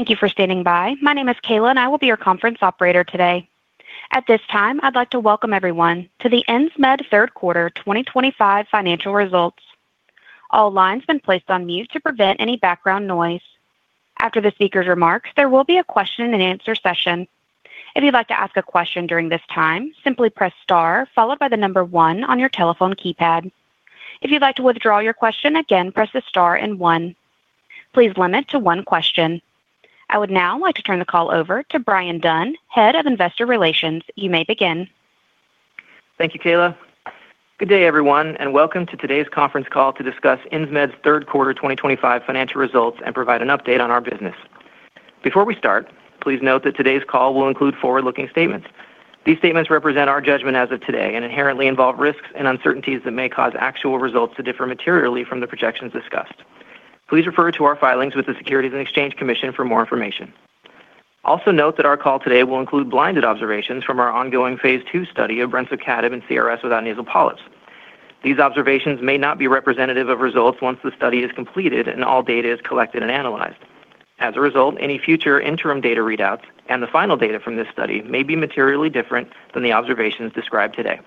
Thank you for standing by. My name is Kayla and I will be your conference operator today. At this time I'd like to welcome everyone to the Insmed third quarter 2025 financial results. All lines have been placed on mute to prevent any background noise. After the speaker's remarks, there will be a question and answer session. If you'd like to ask a question during this time, simply press star followed by the number one on your telephone keypad. If you'd like to withdraw your question again, press the star and one. Please limit to one question. I would now like to turn the call over to Bryan Dunn, Head of Investor Relations. You may begin. Thank you, Kayla. Good day everyone and welcome to today's conference call to discuss Insmed's third quarter 2025 financial results and provide an update on our business. Before we start, please note that today's call will include forward-looking statements. These statements represent our judgment as of today and inherently involve risks and uncertainties that may cause actual results to differ materially from the projections discussed. Please refer to our filings with the Securities and Exchange Commission for more information. Also note that our call today will include blinded observations from our ongoing phase II study of brensocatib in CRS without nasal polyps. These observations may not be representative of results once the study is completed and all data is collected and analyzed. As a result, any future interim data readouts and the final data from this study may be materially different than the observations described today.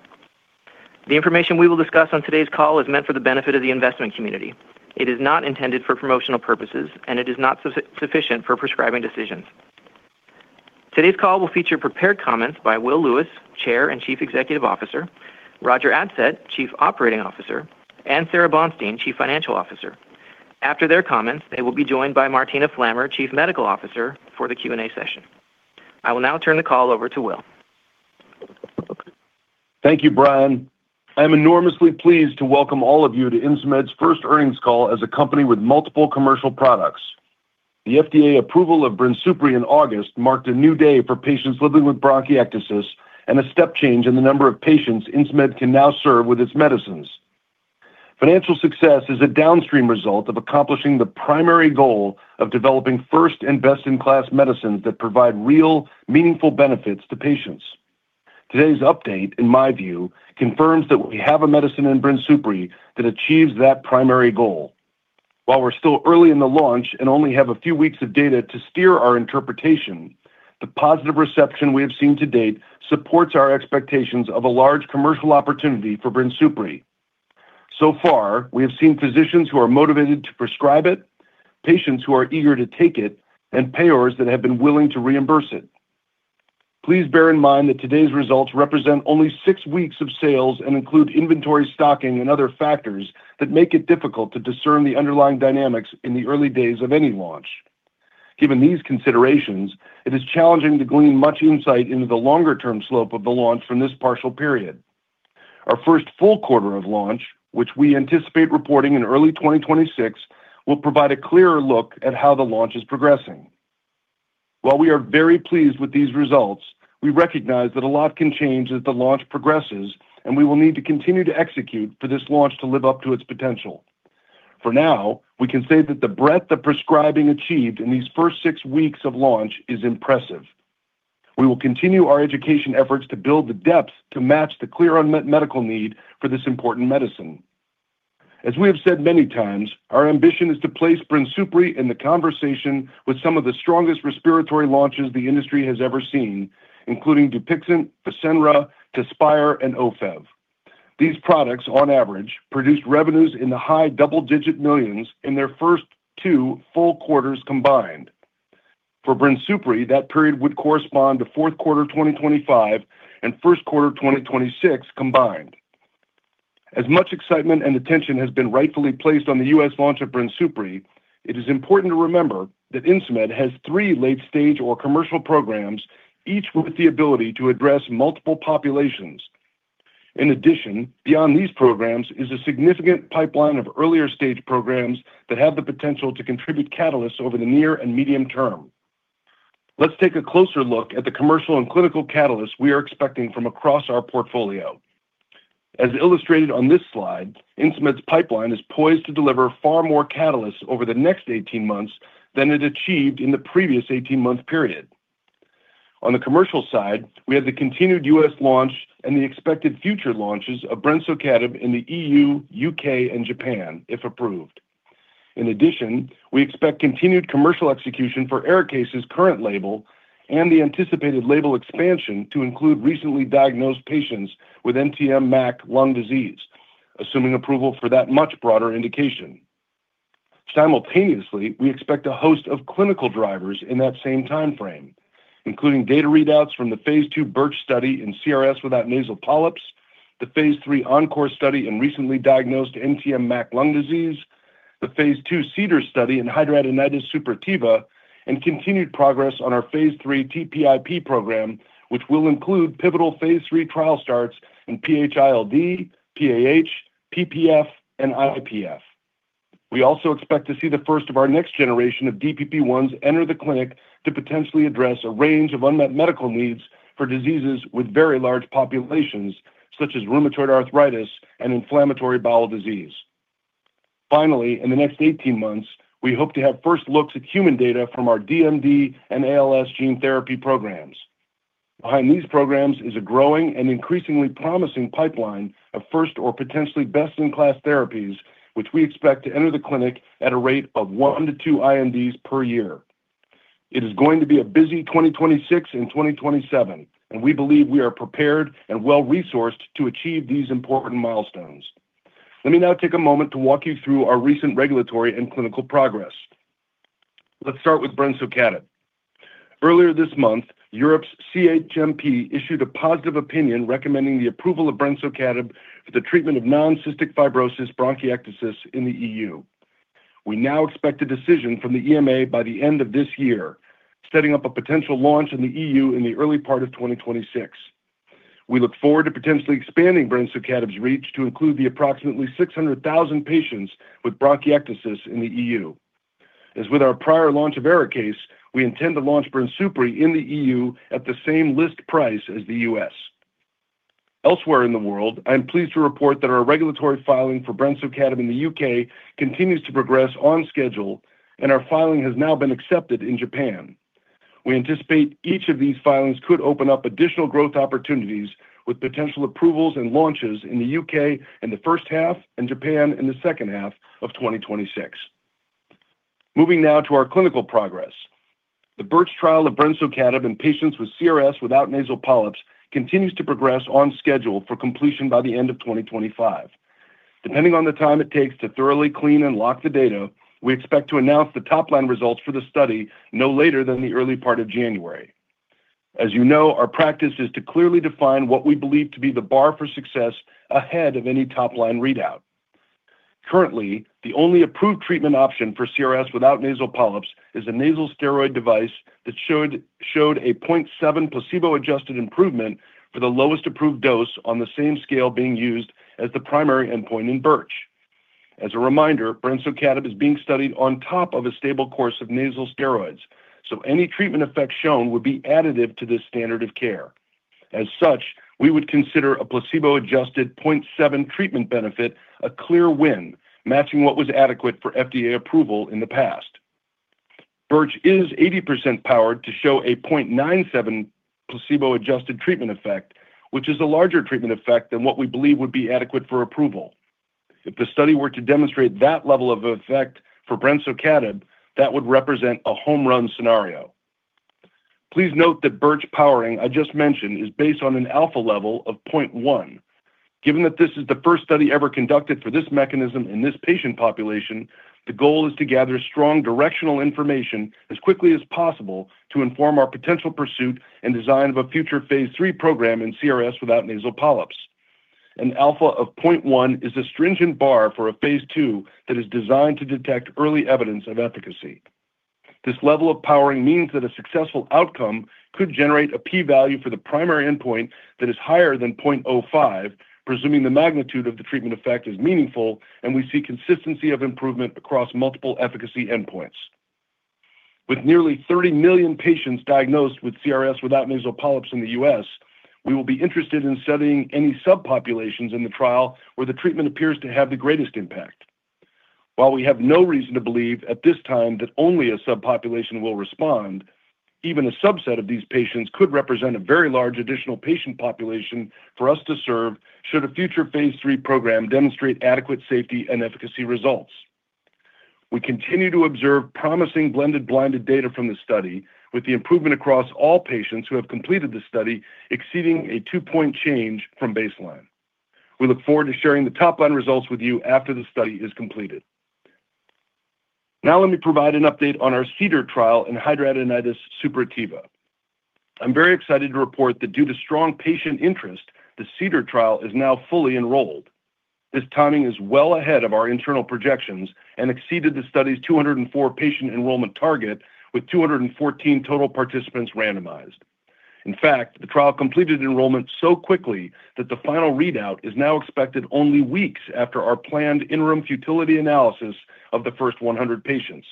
The information we will discuss on today's call is meant for the benefit of the investment community. It is not intended for promotional purposes and it is not sufficient for prescribing decisions. Today's call will feature prepared comments by Will Lewis, Chair and Chief Executive Officer, Roger Adsett, Chief Operating Officer, and Sara Bonstein, Chief Financial Officer. After their comments, they will be joined by Martina Flammer, Chief Medical Officer, for the Q and A session. I will now turn the call over to Will. Thank you, Bryan. I'm enormously pleased to welcome all of you to Insmed's first earnings call. As a company with multiple commercial products, the FDA approval of BRINSUPRI in August marked a new day for patients living with bronchiectasis and a step change in the number of patients Insmed can now serve with its medicines. Financial success is a downstream result of accomplishing the primary goal of developing first and best in class medicines that provide real meaningful benefits to patients. Today's update, in my view, confirms that we have a medicine in BRINSUPRI that achieves that primary goal. While we're still early in the launch and only have a few weeks of data to steer our interpretation, the positive reception we have seen to date supports our expectations of a large commercial opportunity for BRINSUPRI. So far, we have seen physicians who are motivated to prescribe it, patients who are eager to take it, and payers that have been willing to reimburse it. Please bear in mind that today's results represent only six weeks of sales and include inventory, stocking, and other factors that make it difficult to discern the underlying dynamics in the early days of any launch. Given these considerations, it is challenging to glean much insight into the longer term slope of the launch from this partial period. Our first full quarter of launch, which we anticipate reporting in early 2026, will provide a clearer look at how the launch is progressing. While we are very pleased with these results, we recognize that a lot can change as the launch progresses and we will need to continue to execute for this launch to live up to its potential. For now, we can say that the breadth of prescribing achieved in these first six weeks of launch is impressive. We will continue our education efforts to build the depth to match the clear unmet medical need for this important medicine. As we have said many times, our ambition is to place BRINSUPRI in the conversation with some of the strongest respiratory launches the industry has ever seen, including Dupixent, FASENRA, TEZSPIRE, and OFEV. These products on average produced revenues in the high double digit millions in their first two full quarters combined. For BRINSUPRI, that period would correspond to fourth quarter 2025 and first quarter 2026 combined. As much excitement and attention has been rightfully placed on the U.S. launch of BRINSUPRI, it is important to remember that Insmed has three late-stage or commercial programs, each with the ability to address multiple populations. In addition, beyond these programs is a significant pipeline of earlier-stage programs that have the potential to contribute catalysts over the near and medium term. Let's take a closer look at the commercial and clinical catalysts we are expecting from across our portfolio. As illustrated on this slide, Insmed's pipeline is poised to deliver far more catalysts over the next 18 months than it achieved in the previous 18-month period. On the commercial side, we have the continued U.S. launch and the expected future launches of brensocatib in the EU, U.K., and Japan if approved. In addition, we expect continued commercial execution for ARIKAYCE's current label and the anticipated label expansion to include recently diagnosed patients with NTM MAC lung disease, assuming approval for that much broader indication. Simultaneously, we expect a host of clinical drivers in that same timeframe, including data readouts from the phase II BiRCh study in CRS without nasal polyps, the phase III ENCORE study in recently diagnosed NTM MAC lung disease, the phase II CDER study in HS, and continued progress on our phase III TPIP program, which will include pivotal phase III trial starts in PH-ILD, PAH, PPF, and IPF. We also expect to see the first of our next generation of DPP1 inhibitors enter the clinic to potentially address a range of unmet medical needs for diseases with very large populations such as rheumatoid arthritis and inflammatory bowel disease. Finally, in the next 18 months we hope to have first looks at human data from our DMD and ALS gene therapy programs. Behind these programs is a growing and increasingly promising pipeline of first or potentially best-in-class therapies, which we expect to enter the clinic at a rate of 1 to 2 INDs per year. It is going to be a busy 2026 and 2027 and we believe we are prepared and well resourced to achieve these important milestones. Let me now take a moment to walk you through our recent regulatory and clinical progress. starting with brensocatib, earlier this month, Europe's CHMP issued a positive opinion recommending the approval of brensocatib for the treatment of non-cystic fibrosis bronchiectasis in the EU. We now expect a decision from the EMA by the end of this year, setting up a potential launch in the EU in the early part of 2026. We look forward to potentially expanding brensocatib's reach to include the approximately 600,000 patients with bronchiectasis in the EU. As with our prior launch of ARIKAYCE, we intend to launch BRINSUPRI in the EU at the same list price as the U.S. Elsewhere in the world, I'm pleased to report that our regulatory filing for brensocatib in the U.K. continues to progress on schedule and our filing has now been accepted in Japan. We anticipate each of these filings could open up additional growth opportunities with potential approvals and launches in the U.K. in the first half and Japan in the second half of 2026. Moving now to our clinical progress, the BiRCh trial of brensocatib in patients with CRS without nasal polyps continues to progress on schedule for completion by the end of 2025, depending on the time it takes to thoroughly clean and lock the data. We expect to announce the top line results for the study no later than the early part of January. As you know, our practice is to clearly define what we believe to be the bar for success ahead of any top line readout. Currently, the only approved treatment option for CRS without nasal polyps is a nasal steroid device that showed a 0.7 placebo-adjusted improvement for the lowest approved dose on the same scale being used as the primary endpoint in BiRCh. As a reminder, brensocatib is being studied on top of a stable course of nasal steroids, so any treatment effect shown would be additive to this standard of care. As such, we would consider a placebo-adjusted 0.7 treatment benefit a clear win, matching what was adequate for FDA approval in the past. BiRCh is 80% powered to show a 0.97 placebo-adjusted treatment effect, which is a larger treatment effect than what we believe would be adequate for approval. If the study were to demonstrate that level of effect for brensocatib, that would represent a home run scenario. Please note that BiRCh powering I just mentioned is based on an alpha level of 0.1. Given that this is the first study ever conducted for this mechanism in this patient population, the goal is to gather strong directional information as quickly as possible to inform our potential pursuit and design of a future phase III program in CRS without nasal polyps. An alpha of 0.1 is a stringent bar for a phase II that is designed to detect early evidence of efficacy. This level of powering means that a successful outcome could generate a p value for the primary endpoint that is higher than 0.05, presuming the magnitude of the treatment effect is meaningful and we see consistency of improvement across multiple efficacy endpoints. With nearly 30 million patients diagnosed with CRS without nasal polyps in the U.S., we will be interested in studying any subpopulations in the trial where the treatment appears to have the greatest impact. While we have no reason to believe at this time that only a subpopulation will respond, even a subset of these patients could represent a very large additional patient population for us to serve. Should a future phase III program demonstrate adequate safety and efficacy results, we continue to observe promising blended blinded data from the study, with the improvement across all patients who have completed the study exceeding a two point change from baseline. We look forward to sharing the top line results with you after the study is completed. Now let me provide an update on our CDER trial in HS. I'm very excited to report that due to strong patient interest, the CDER trial is now fully enrolled. This timing is well ahead of our internal projections and exceeded the study's 204 patient enrollment target, with 214 total participants randomized. In fact, the trial completed enrollment so quickly that the final readout is now expected only weeks after our planned interim futility analysis of the first 100 patients.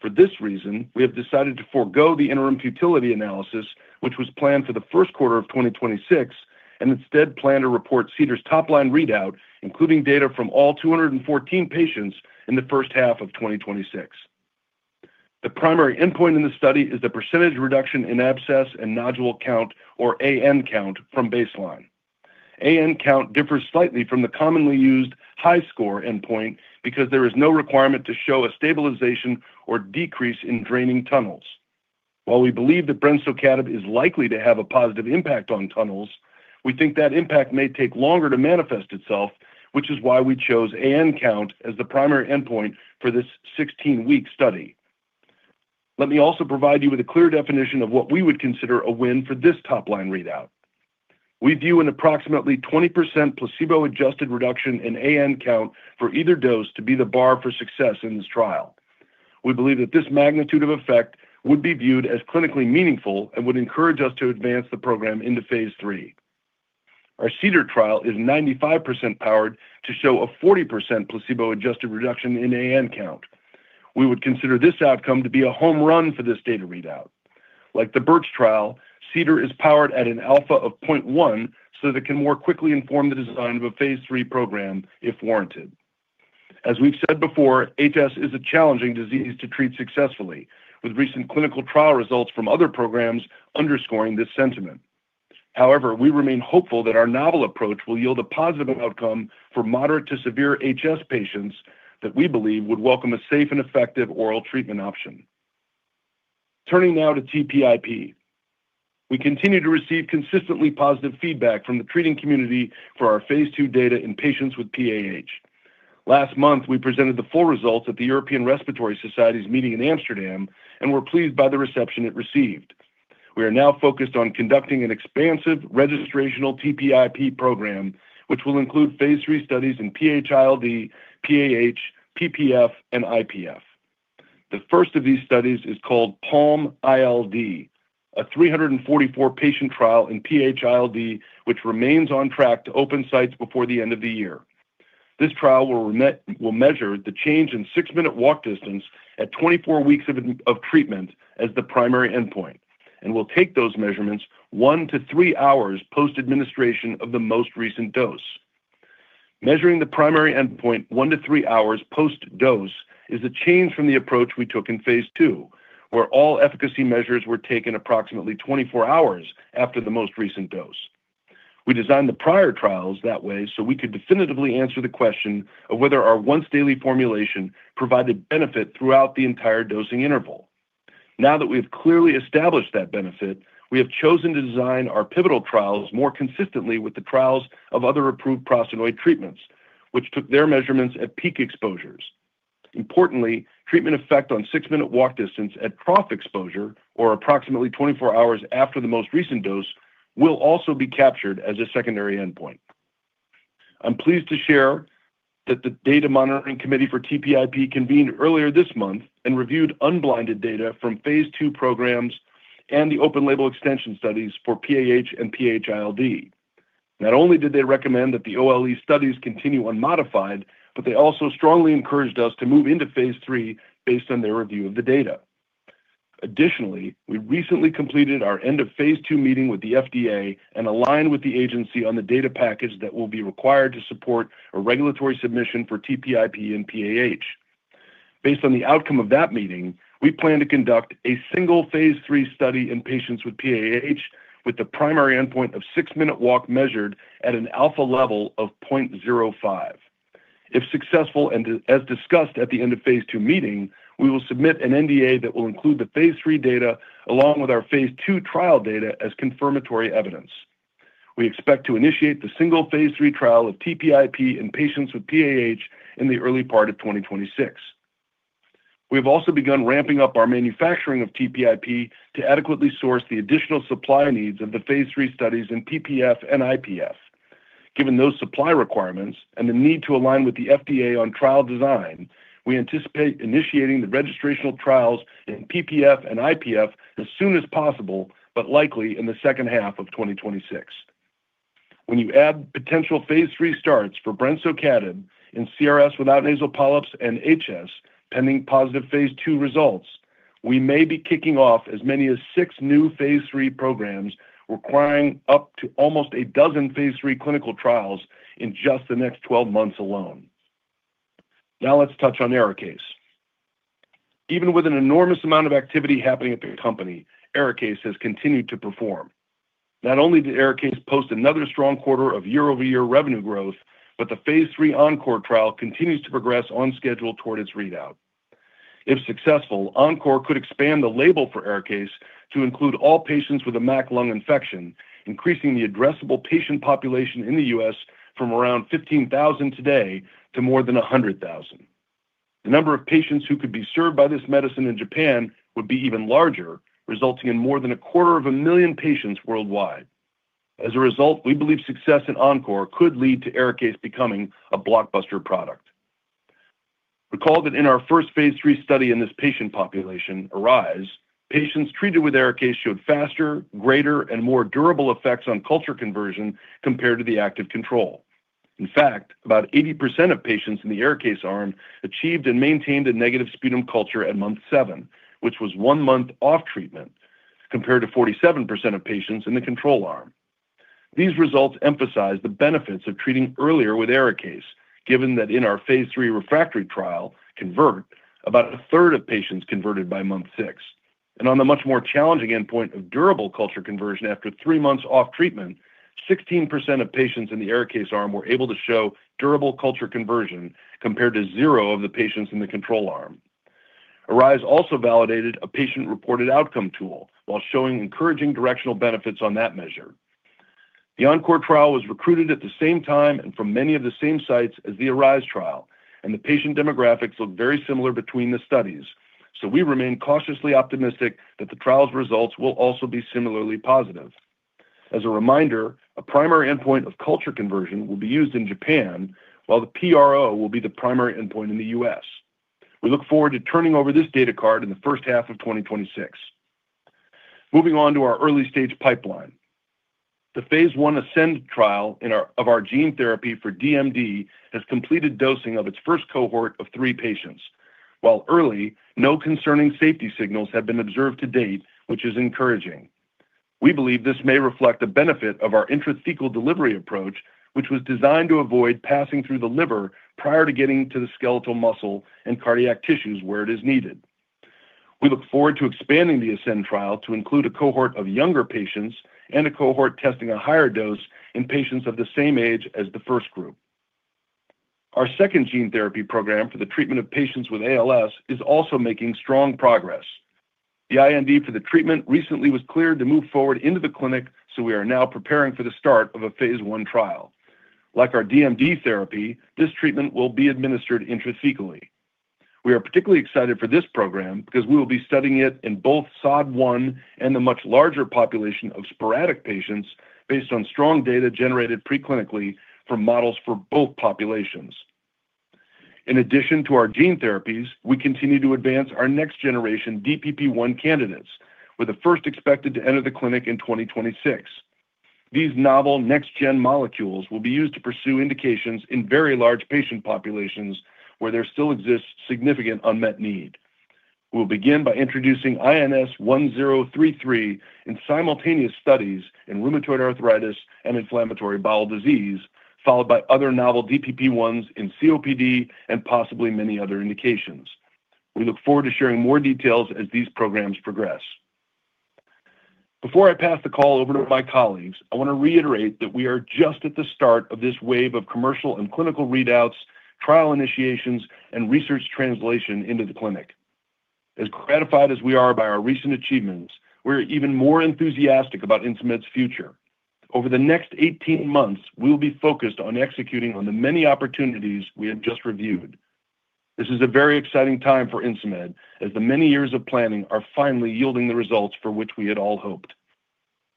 For this reason, we have decided to forego the interim futility analysis, which was planned for the first quarter of 2026, and instead plan to report CDER's top line readout including data from all 214 patients in the first half of 2026. The primary endpoint in the study is the percentage reduction in abscess and nodule count, or AN count, from baseline. AN count differs slightly from the commonly used HiSCR endpoint because there is no requirement to show a stabilization or decrease in draining tunnels. While we believe that brensocatib is likely to have a positive impact on tunnels, we think that impact may take longer to manifest itself, which is why we chose AN count as the primary endpoint for this 16 week study. Let me also provide you with a clear definition of what we would consider a win for this top line readout. We view an approximately 20% placebo-adjusted reduction in AN count for either dose to be the bar for success in this trial. We believe that this magnitude of effect would be viewed as clinically meaningful and would encourage us to advance the program into phase III. Our CDER trial is 95% powered to show a 40% placebo-adjusted reduction in AN count. We would consider this outcome to be a home run for this data readout. Like the BiRCh trial, CDER is powered at an alpha of 0.1 so that it can more quickly inform the design of a phase III program if warranted. As we've said before, HS is a challenging disease to treat successfully, with recent clinical trial results from other programs underscoring this sentiment. However, we remain hopeful that our novel approach will yield a positive outcome for moderate to severe HS patients that we believe would welcome a safe and effective oral treatment option. Turning now to TPIP, we continue to receive consistently positive feedback from the treating community for our phase II data in patients with pulmonary arterial hypertension. Last month we presented the full results at the European Respiratory Society's meeting in Amsterdam and were pleased by the reception it received. We are now focused on conducting an expansive registrational TPIP program which phase III studies in PH-ILD, PH, PPF, and IPF. The first of these studies is called PALM-ILD, a 344-patient trial in pulmonary hypertension associated with interstitial lung disease which remains on track to open sites before the end of the year. This trial will measure the change in 6-minute walk distance at 24 weeks of treatment as the primary endpoint and will take those measurements one to three hours post administration of the most recent dose. Measuring the primary endpoint one to three hours post dose is a change from the approach we took in phase II where all efficacy measures were taken approximately 24 hours after the most recent dose. We designed the prior trials that way so we could definitively answer the question of whether our once-daily formulation provided benefit throughout the entire dosing interval. Now that we have clearly established that benefit, we have chosen to design our pivotal trials more consistently with the trials of other approved prostanoid treatments which took their measurements at peak exposures. Importantly, treatment effect on 6-minute walk distance at trough exposure or approximately 24 hours after the most recent dose will also be captured as a secondary endpoint. I'm pleased to share that the Data Monitoring Committee for TPIP convened earlier this month and reviewed unblinded data from phase II programs and the open-label extension studies for PAH and PH-ILD. Not only did they recommend that the OLE studies continue unmodified, but they also strongly encouraged us to move into phase III based on their review of the data. Additionally, we recently completed our end of phase II meeting with the FDA and aligned with the agency on the data package that will be required to support a regulatory submission for TPIP and PAH. Based on the outcome of that meeting, we plan to conduct a single phase III study in patients with PAH with the primary endpoint of 6-minute walk measured at an alpha level of 0.05. If successful and as discussed at the end of phase II meeting, we will submit an NDA that will include the phase III data along with our phase II trial data as confirmatory evidence. We expect to initiate the single phase III trial of TPIP in patients with PAH in the early part of 2026. We have also begun ramping up our manufacturing of TPIP to adequately source the additional supply needs of the phase III studies in PPF and IPF. Given those supply requirements and the need to align with the FDA on trial design, we anticipate initiating the registrational trials in PPF and IPF as soon as possible, but likely in the second half of 2026. When you add potential phase III starts for brensocatib in CRS without nasal polyps and HS, pending positive phase II results, we may be kicking off as many as six new phase III programs requiring up to almost a dozen phase III clinical trials in just the next 12 months alone. Now let's touch on ARIKAYCE. Even with an enormous amount of activity happening at the company, ARIKAYCE has continued to perform. Not only did ARIKAYCE post another strong quarter of year-over-year revenue growth, but the phase III ENCORE trial continues to progress on schedule toward its readout. If successful, ENCORE could expand the label for ARIKAYCE to include all patients MAC lung infection, increasing the addressable patient population in the U.S. from around 15,000 today to more than 100,000. The number of patients who could be served by this medicine in Japan would be even larger, resulting in more than a quarter of a million patients worldwide. As a result, we believe success in ENCORE could lead to ARIKAYCE becoming a blockbuster product. Recall that in our first phase III study in this patient population, ARISE, patients treated with ARIKAYCE showed faster, greater, and more durable effects on culture conversion compared to the active control. In fact, about 80% of patients in the ARIKAYCE arm achieved and maintained a negative sputum culture at month seven, which was one month off treatment, compared to 47% of patients in the control arm. These results emphasize the benefits of treating earlier with ARIKAYCE, given that in our phase III refractory trial, CONVERT, about a third of patients converted by month six, and on the much more challenging endpoint of durable culture conversion after three months off treatment, 16% of patients in the ARIKAYCE arm were able to show durable culture conversion compared to zero of the patients in the control arm. ARISE also validated a patient-reported outcome tool while showing encouraging directional benefits on that measure. The ENCORE trial was recruited at the same time and from many of the same sites as the ARISE trial, and the patient demographics look very similar between the studies. We remain cautiously optimistic that the trial's results will also be similarly positive. As a reminder, a primary endpoint of culture conversion will be used in Japan, while the PRO will be the primary endpoint in the U.S. We look forward to turning over this data card in the first half of 2026. Moving on to our early stage pipeline, the phase I ASCEND trial of our gene therapy for DMD has completed dosing of its first cohort of three patients. While early, no concerning safety signals have been observed to date, which is encouraging. We believe this may reflect the benefit of our intrathecal delivery approach, which was designed to avoid passing through the liver prior to getting to the skeletal muscle and cardiac tissues where it is needed. We look forward to expanding the ASCEND trial to include a cohort of younger patients and a cohort testing a higher dose in patients of the same age as the first group. Our second gene therapy program for the treatment of patients with ALS is also making strong progress. The IND for the treatment recently was cleared to move forward into the clinic, and we are now preparing for the start of a phase I trial. Like our DMD therapy, this treatment will be administered intrathecally. We are particularly excited for this program because we will be studying it in both SOD1 and the much larger population of sporadic patients based on strong data generated preclinically from models for both populations. In addition to our gene therapies, we continue to advance our next generation DPP1 candidates, with the first expected to enter the clinic in 2026. These novel next gen molecules will be used to pursue indications in very large patient populations where there still exists significant unmet need. We'll begin by introducing INS1033 and simultaneous studies in rheumatoid arthritis and inflammatory bowel disease, followed by other novel DPP1s in COPD and possibly many other indications. We look forward to sharing more details as these programs progress. Before I pass the call over to my colleagues, I want to reiterate that we are just at the start of this wave of commercial and clinical readouts, trial initiations, and research translation into the clinic. As gratified as we are by our recent achievements, we're even more enthusiastic about Insmed's future. Over the next 18 months we will be focused on executing on the many opportunities we have just reviewed. This is a very exciting time for Insmed as the many years of planning are finally yielding the results for which we had all hoped.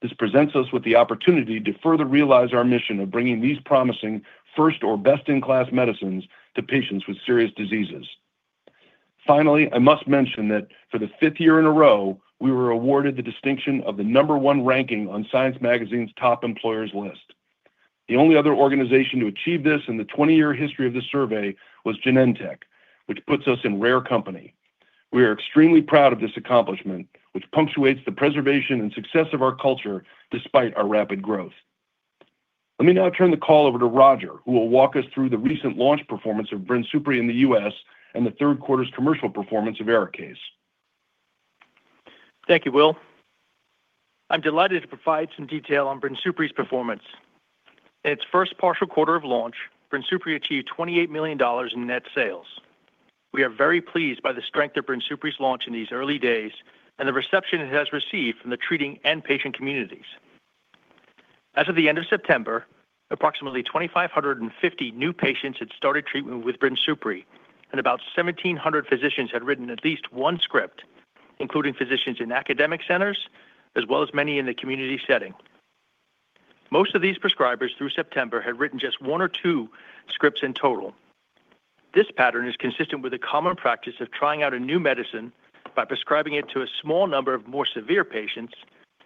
This presents us with the opportunity to further realize our mission of bringing these promising first or best in class medicines to patients with serious diseases. Finally, I must mention that for the fifth year in a row we were awarded the distinction of the number one ranking on Science Magazine's Top Employers list. The only other organization to achieve this in the 20 year history of the survey was Genentech, which puts us in rare company. We are extremely proud of this accomplishment, which punctuates the preservation and success of our culture despite our rapid growth. Let me now turn the call over to Roger, who will walk us through the recent launch performance of BRINSUPRI in the U.S. and the third quarter's commercial performance of ARIKAYCE. Thank you, Will. I'm delighted to provide some detail on BRINSUPRI's performance. In its first partial quarter of launch, BRINSUPRI achieved $28 million in net sales. We are very pleased by the strength of BRINSUPRI's launch in these early days and the reception it has received from the treating and patient communities. As of the end of September, approximately 2,550 new patients had started treatment with BRINSUPRI and about 1,700 physicians had written at least one script, including physicians in academic centers as well as many in the community setting. Most of these prescribers through September had written just one or two scripts in total. This pattern is consistent with the common practice of trying out a new medicine by prescribing it to a small number of more severe patients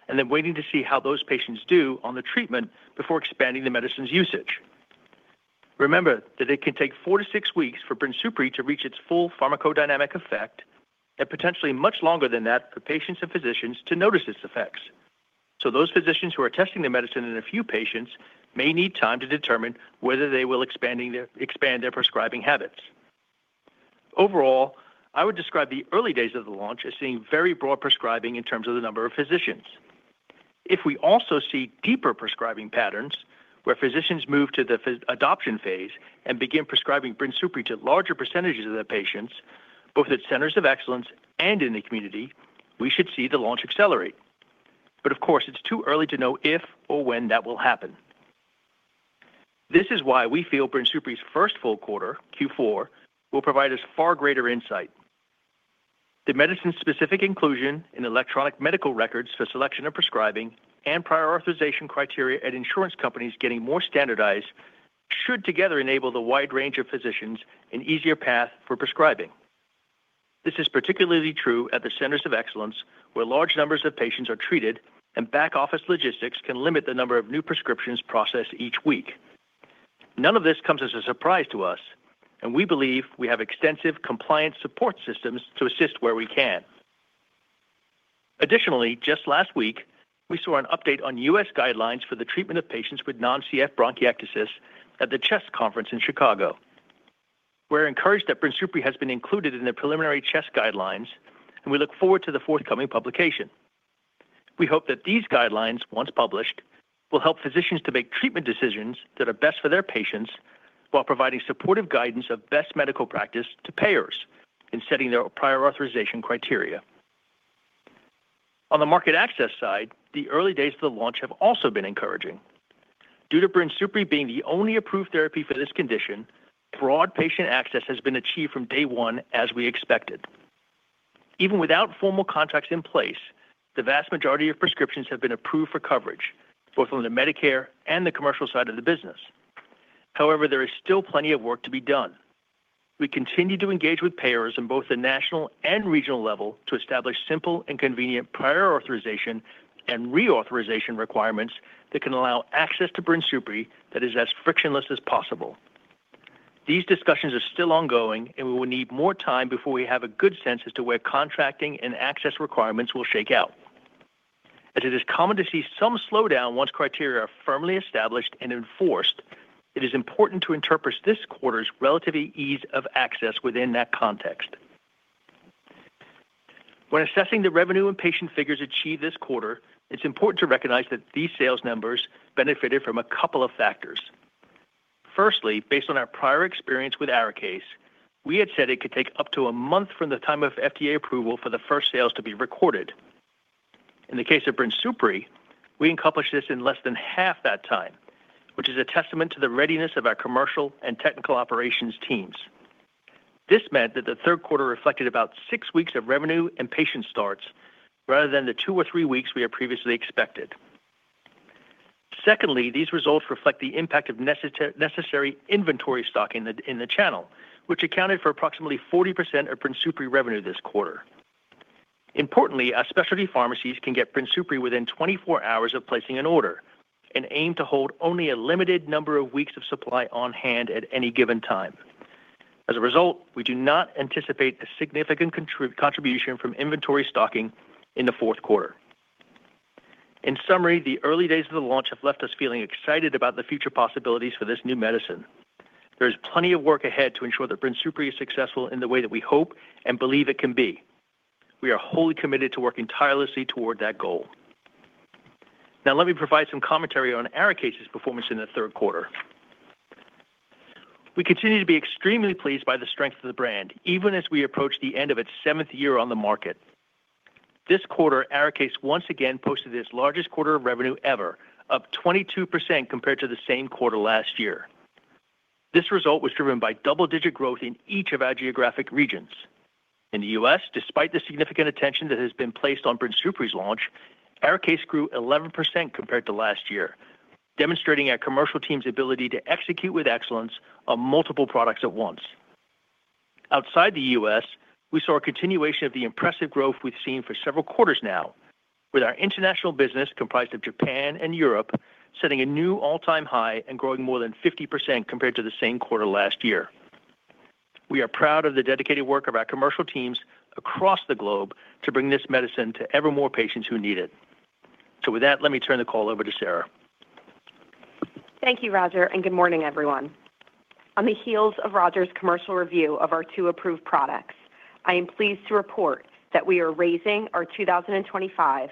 and then waiting to see how those patients do on the treatment before expanding the medicine's usage. Remember that it can take four to six weeks for BRINSUPRI to reach its full pharmacodynamic effect and potentially much longer than that for patients and physicians to notice its effects. Those physicians who are testing the medicine in a few patients may need time to determine whether they will expand their prescribing habits. Overall, I would describe the early days of the launch as seeing very broad prescribing in terms of the number of physicians. If we also see deeper prescribing patterns where physicians move to the adoption phase and begin prescribing BRINSUPRI to larger percentages of the patients, both at centers of excellence and in the community, we should see the launch accelerate. Of course, it's too early to know if or when that will happen. This is why we feel BRINSUPRI's first full quarter, Q4, will provide us far greater insight. The medicine-specific inclusion in electronic medical records for selection of prescribing and prioritization criteria at insurance companies getting more standardized should together enable the wide range of physicians an easier path for prescribing. This is particularly true at the centers of excellence where large numbers of patients are treated and back office logistics can limit the number of new prescriptions processed each week. None of this comes as a surprise to us, and we believe we have extensive compliance support systems to assist where we can. Additionally, just last week we saw an update on U.S. guidelines for the treatment of patients with non-CF bronchiectasis at the CHEST Conference in Chicago. We're encouraged that BRINSUPRI has been included in the preliminary CHEST guidelines, and we look forward to the forthcoming publication. We hope that these guidelines, once published, will help physicians to make treatment decisions that are best for their patients while providing supportive guidance of best medical practice to payers in setting their prior authorization criteria. On the market access side, the early days of the launch have also been encouraging due to BRINSUPRI being the only approved therapy for this condition. Broad patient access has been achieved from day one, as we expected. Even without formal contracts in place, the vast majority of prescriptions have been approved for coverage both on the Medicare and the commercial side of the business. However, there is still plenty of work to be done. We continue to engage with payers on both the national and regional level to establish simple and convenient prior authorization and reauthorization requirements that can allow access to BRINSUPRI that is as frictionless as possible. These discussions are still ongoing and we will need more time before we have a good sense as to where contracting and access requirements will shake out, as it is common to see some slowdown once criteria are firmly established and enforced. It is important to interpret this quarter's relative ease of access within that context. When assessing the revenue and patient figures achieved this quarter, it's important to recognize that these sales numbers benefited from a couple of factors. Firstly, based on our prior experience with ARIKAYCE, we had said it could take up to a month from the time of FDA approval for the first sales to be recorded. In the case of BRINSUPRI, we accomplished this in less than half that time, which is a testament to the readiness of our commercial and technical operations teams. This meant that the third quarter reflected about six weeks of revenue and patient starts rather than the two or three weeks we had previously expected. Secondly, these results reflect the impact of necessary inventory stock in the channel, which accounted for approximately 40% of BRINSUPRI revenue this quarter. Importantly, our specialty pharmacies can get BRINSUPRI within 24 hours of placing an order and aim to hold only a limited number of weeks of supply on hand at any given time. As a result, we do not anticipate a significant contribution from inventory stocking in the fourth quarter. In summary, the early days of the launch have left us feeling excited about the future possibilities for this new medicine. There is plenty of work ahead to ensure that BRINSUPRI is successful in the way that we hope and believe it can be. We are wholly committed to working tirelessly toward that goal. Now let me provide some commentary on ARIKAYCE's performance in the third quarter. We continue to be extremely pleased by the strength of the brand even as we approach the end of its seventh year on the market. This quarter, ARIKAYCE once again posted its largest quarter of revenue ever, up 22% compared to the same quarter last year. This result was driven by double-digit growth in each of our geographic regions. In the U.S., despite the significant attention that has been placed on BRINSUPRI's launch, ARIKAYCE grew 11% compared to last year, demonstrating our commercial team's ability to execute with excellence on multiple products at once. Outside the U.S., we saw a continuation of the impressive growth we've seen for several quarters now, with our international business comprised of Japan and Europe setting a new all-time high and growing more than 50% compared to the same quarter last year. We are proud of the dedicated work of our commercial teams across the globe to bring this medicine to ever more patients who need it. With that, let me turn the call over to Sara. Thank you, Roger, and good morning, everyone. On the heels of Roger's commercial review of our two approved products, I am pleased to report that we are raising our 2025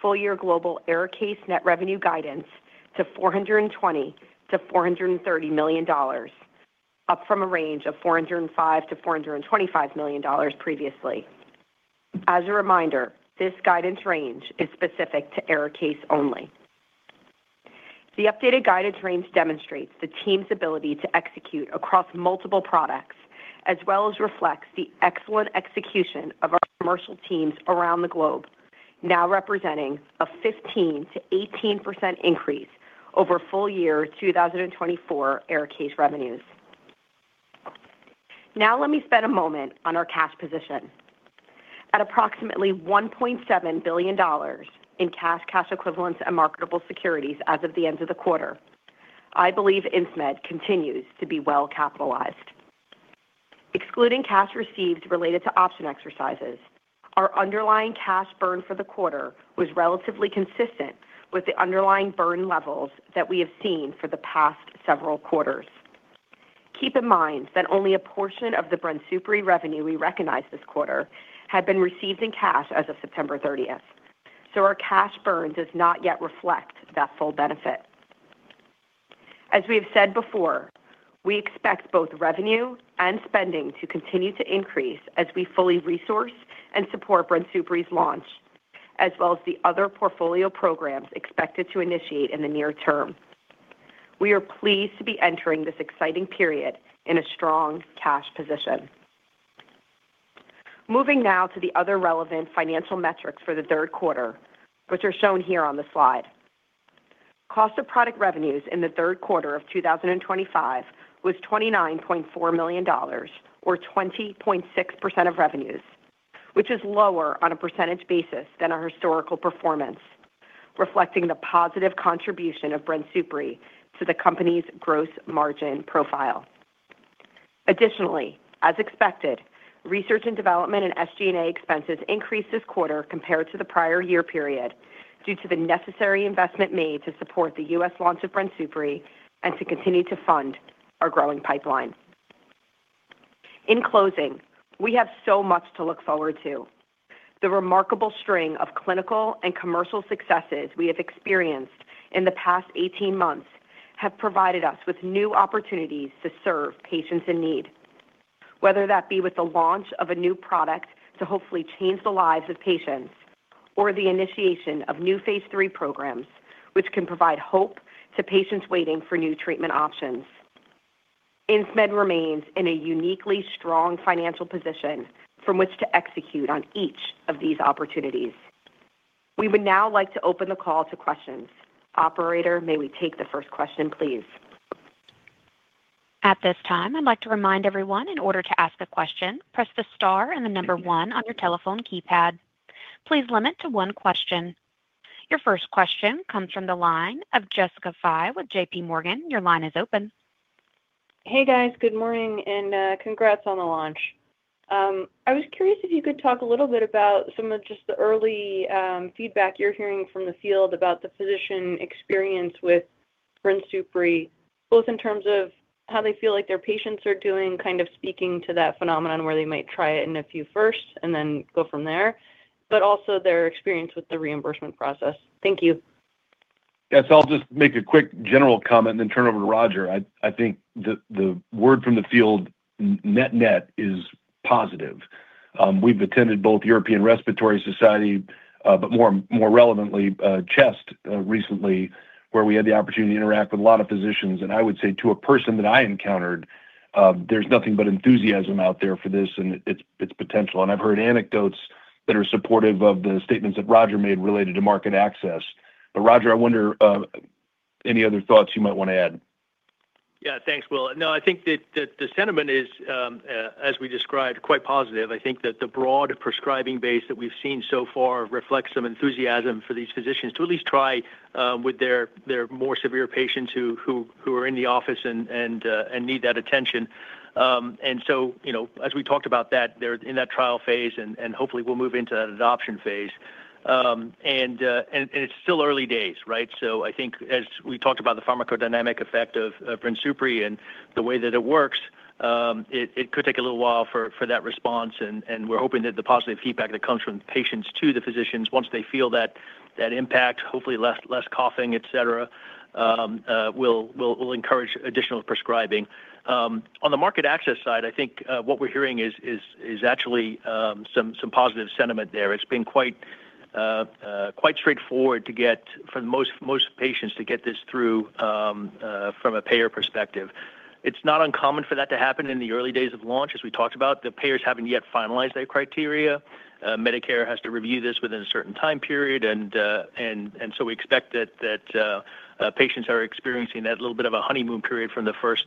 full year global ARIKAYCE net revenue guidance to $420 million-$430 million, up from a range of $405 million-$425 million previously. As a reminder, this guidance range is specific to ARIKAYCE only. The updated guidance range demonstrates the team's ability to execute across multiple products as well as reflects the excellent execution of our commercial teams around the globe, now representing a 15%-18% increase over full year 2024 ARIKAYCE revenues. Now let me spend a moment on our cash position. At approximately $1.7 billion in cash, cash equivalents, and marketable securities as of the end of the quarter, I believe Insmed Incorporated continues to be well capitalized. Excluding cash received related to option exercises, our underlying cash burn for the quarter was relatively consistent with the underlying burn levels that we have seen for the past several quarters. Keep in mind that only a portion of the brensocatib revenue we recognized this quarter had been received in cash as of September 30, so our cash burn does not yet reflect that full benefit. As we have said before, we expect both revenue and spending to continue to increase as we fully resource and support BRINSUPRI's launch as well as the other portfolio programs expected to initiate in the near term. We are pleased to be entering this exciting period in a strong cash position. Moving now to the other relevant financial metrics for the third quarter, which are shown here on the slide, cost of product revenues in the third quarter of 2025 was $29.4 million or 20.6% of revenues, which is lower on a percentage basis than our historical performance, reflecting the positive contribution of BRINSUPRI to the company's gross margin profile. Additionally, as expected, research and development and SG&A expenses increased this quarter compared to the prior year period due to the necessary investment made to support the U.S. launch of BRINSUPRI and to continue to fund our growing pipeline. In closing, we have so much to look forward to. The remarkable string of clinical and commercial successes we have experienced in the past 18 months have provided us with new opportunities to serve patients in need. Whether that be with the launch of a new product to hopefully change the lives of patients, or the initiation of new phase III programs which can provide hope to patients waiting for new treatment options, Insmed remains in a uniquely strong financial position from which to execute on each of these opportunities. We would now like to open the call to questions. Operator, may we take the first question, please? At this time, I'd like to remind everyone, in order to ask a question, please press the star and the number one on your telephone keypad. Please limit to one question. Your first question comes from the line of Jessica Fye with JPMorgan. Your line is open. Hey guys, good morning and congrats on the launch. I was curious if you could talk a little bit about some of just the early feedback you're hearing from the field about the physician experience with BRINSUPRI, both in terms of how they feel like their patients are doing, kind of speaking to that phenomenon where they might try it in a few first and then go from there, but also their experience with the reimbursement process. Thank you. Yes, I'll just make a quick general comment and then turn over to Roger. I think the word from the field net net is positive. We've attended both European Respiratory Society, but more relevantly CHEST recently, where we had the opportunity to interact with a lot of physicians. I would say to a person that I encountered, there's nothing but enthusiasm out there for this and its potential. I've heard anecdotes that are supportive of the statements that Roger made related to market access. Roger, I wonder any other thoughts you might want to add? Yeah, thanks, Will. No, I think that the sentiment is, as we described, quite positive. I think that the broad prescribing base that we've seen so far reflects some enthusiasm for these physicians to at least try with their more severe patients who are in the office and need that attention. As we talked about, they're in that trial phase and hopefully will move into that adoption phase. It's still early days. I think as we talked about the pharmacodynamic effect of BRINSUPRI and the way that it works, it could take a little while for that response. We're hoping that the positive feedback that comes from patients to the physicians, once they feel that impact, hopefully less coughing, et cetera, will encourage additional prescribing. On the market access side, I think what we're hearing is actually some positive sentiment there. It's been quite straightforward for most patients to get this through from a payer perspective. It's not uncommon for that to happen in the early days of launch. As we talked about, the payers haven't yet finalized their criteria. Medicare has to review this within a certain time period. We expect that patients are experiencing that little bit of a honeymoon period from the first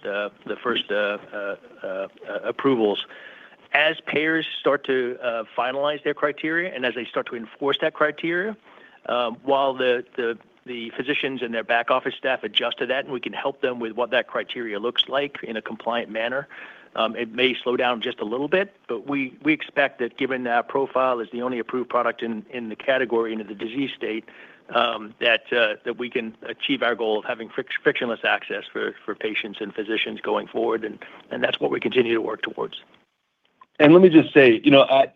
approvals as payers start to finalize their criteria and as they start to enforce that criteria while the physicians and their back office staff adjust to that. We can help them with what that criteria looks like in a compliant manner. It may slow down just a little bit, but we expect that given that BRINSUPRI is the only approved product in the category in the disease state, we can achieve our goal of having frictionless access for patients and physicians going forward. That's what we continue to work towards. Let me just say,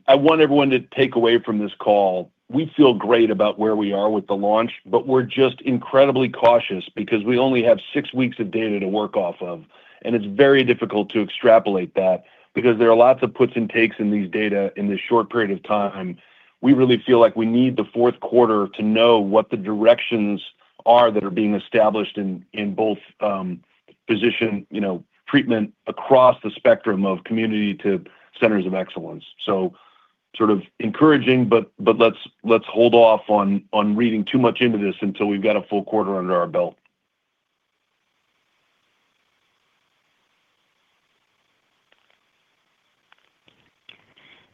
I want everyone to take away from this call. We feel great about where we are with the launch, but we're just incredibly cautious because we only have six weeks of data to work off of. It's very difficult to extrapolate that because there are lots of puts and takes in these data in this short period of time. We really feel like we need the fourth quarter to know what the directions are that are being established in both physician treatment across the spectrum of community to centers of excellence. It's sort of encouraging, but let's hold off on reading too much into this until we've got a full quarter under our belt.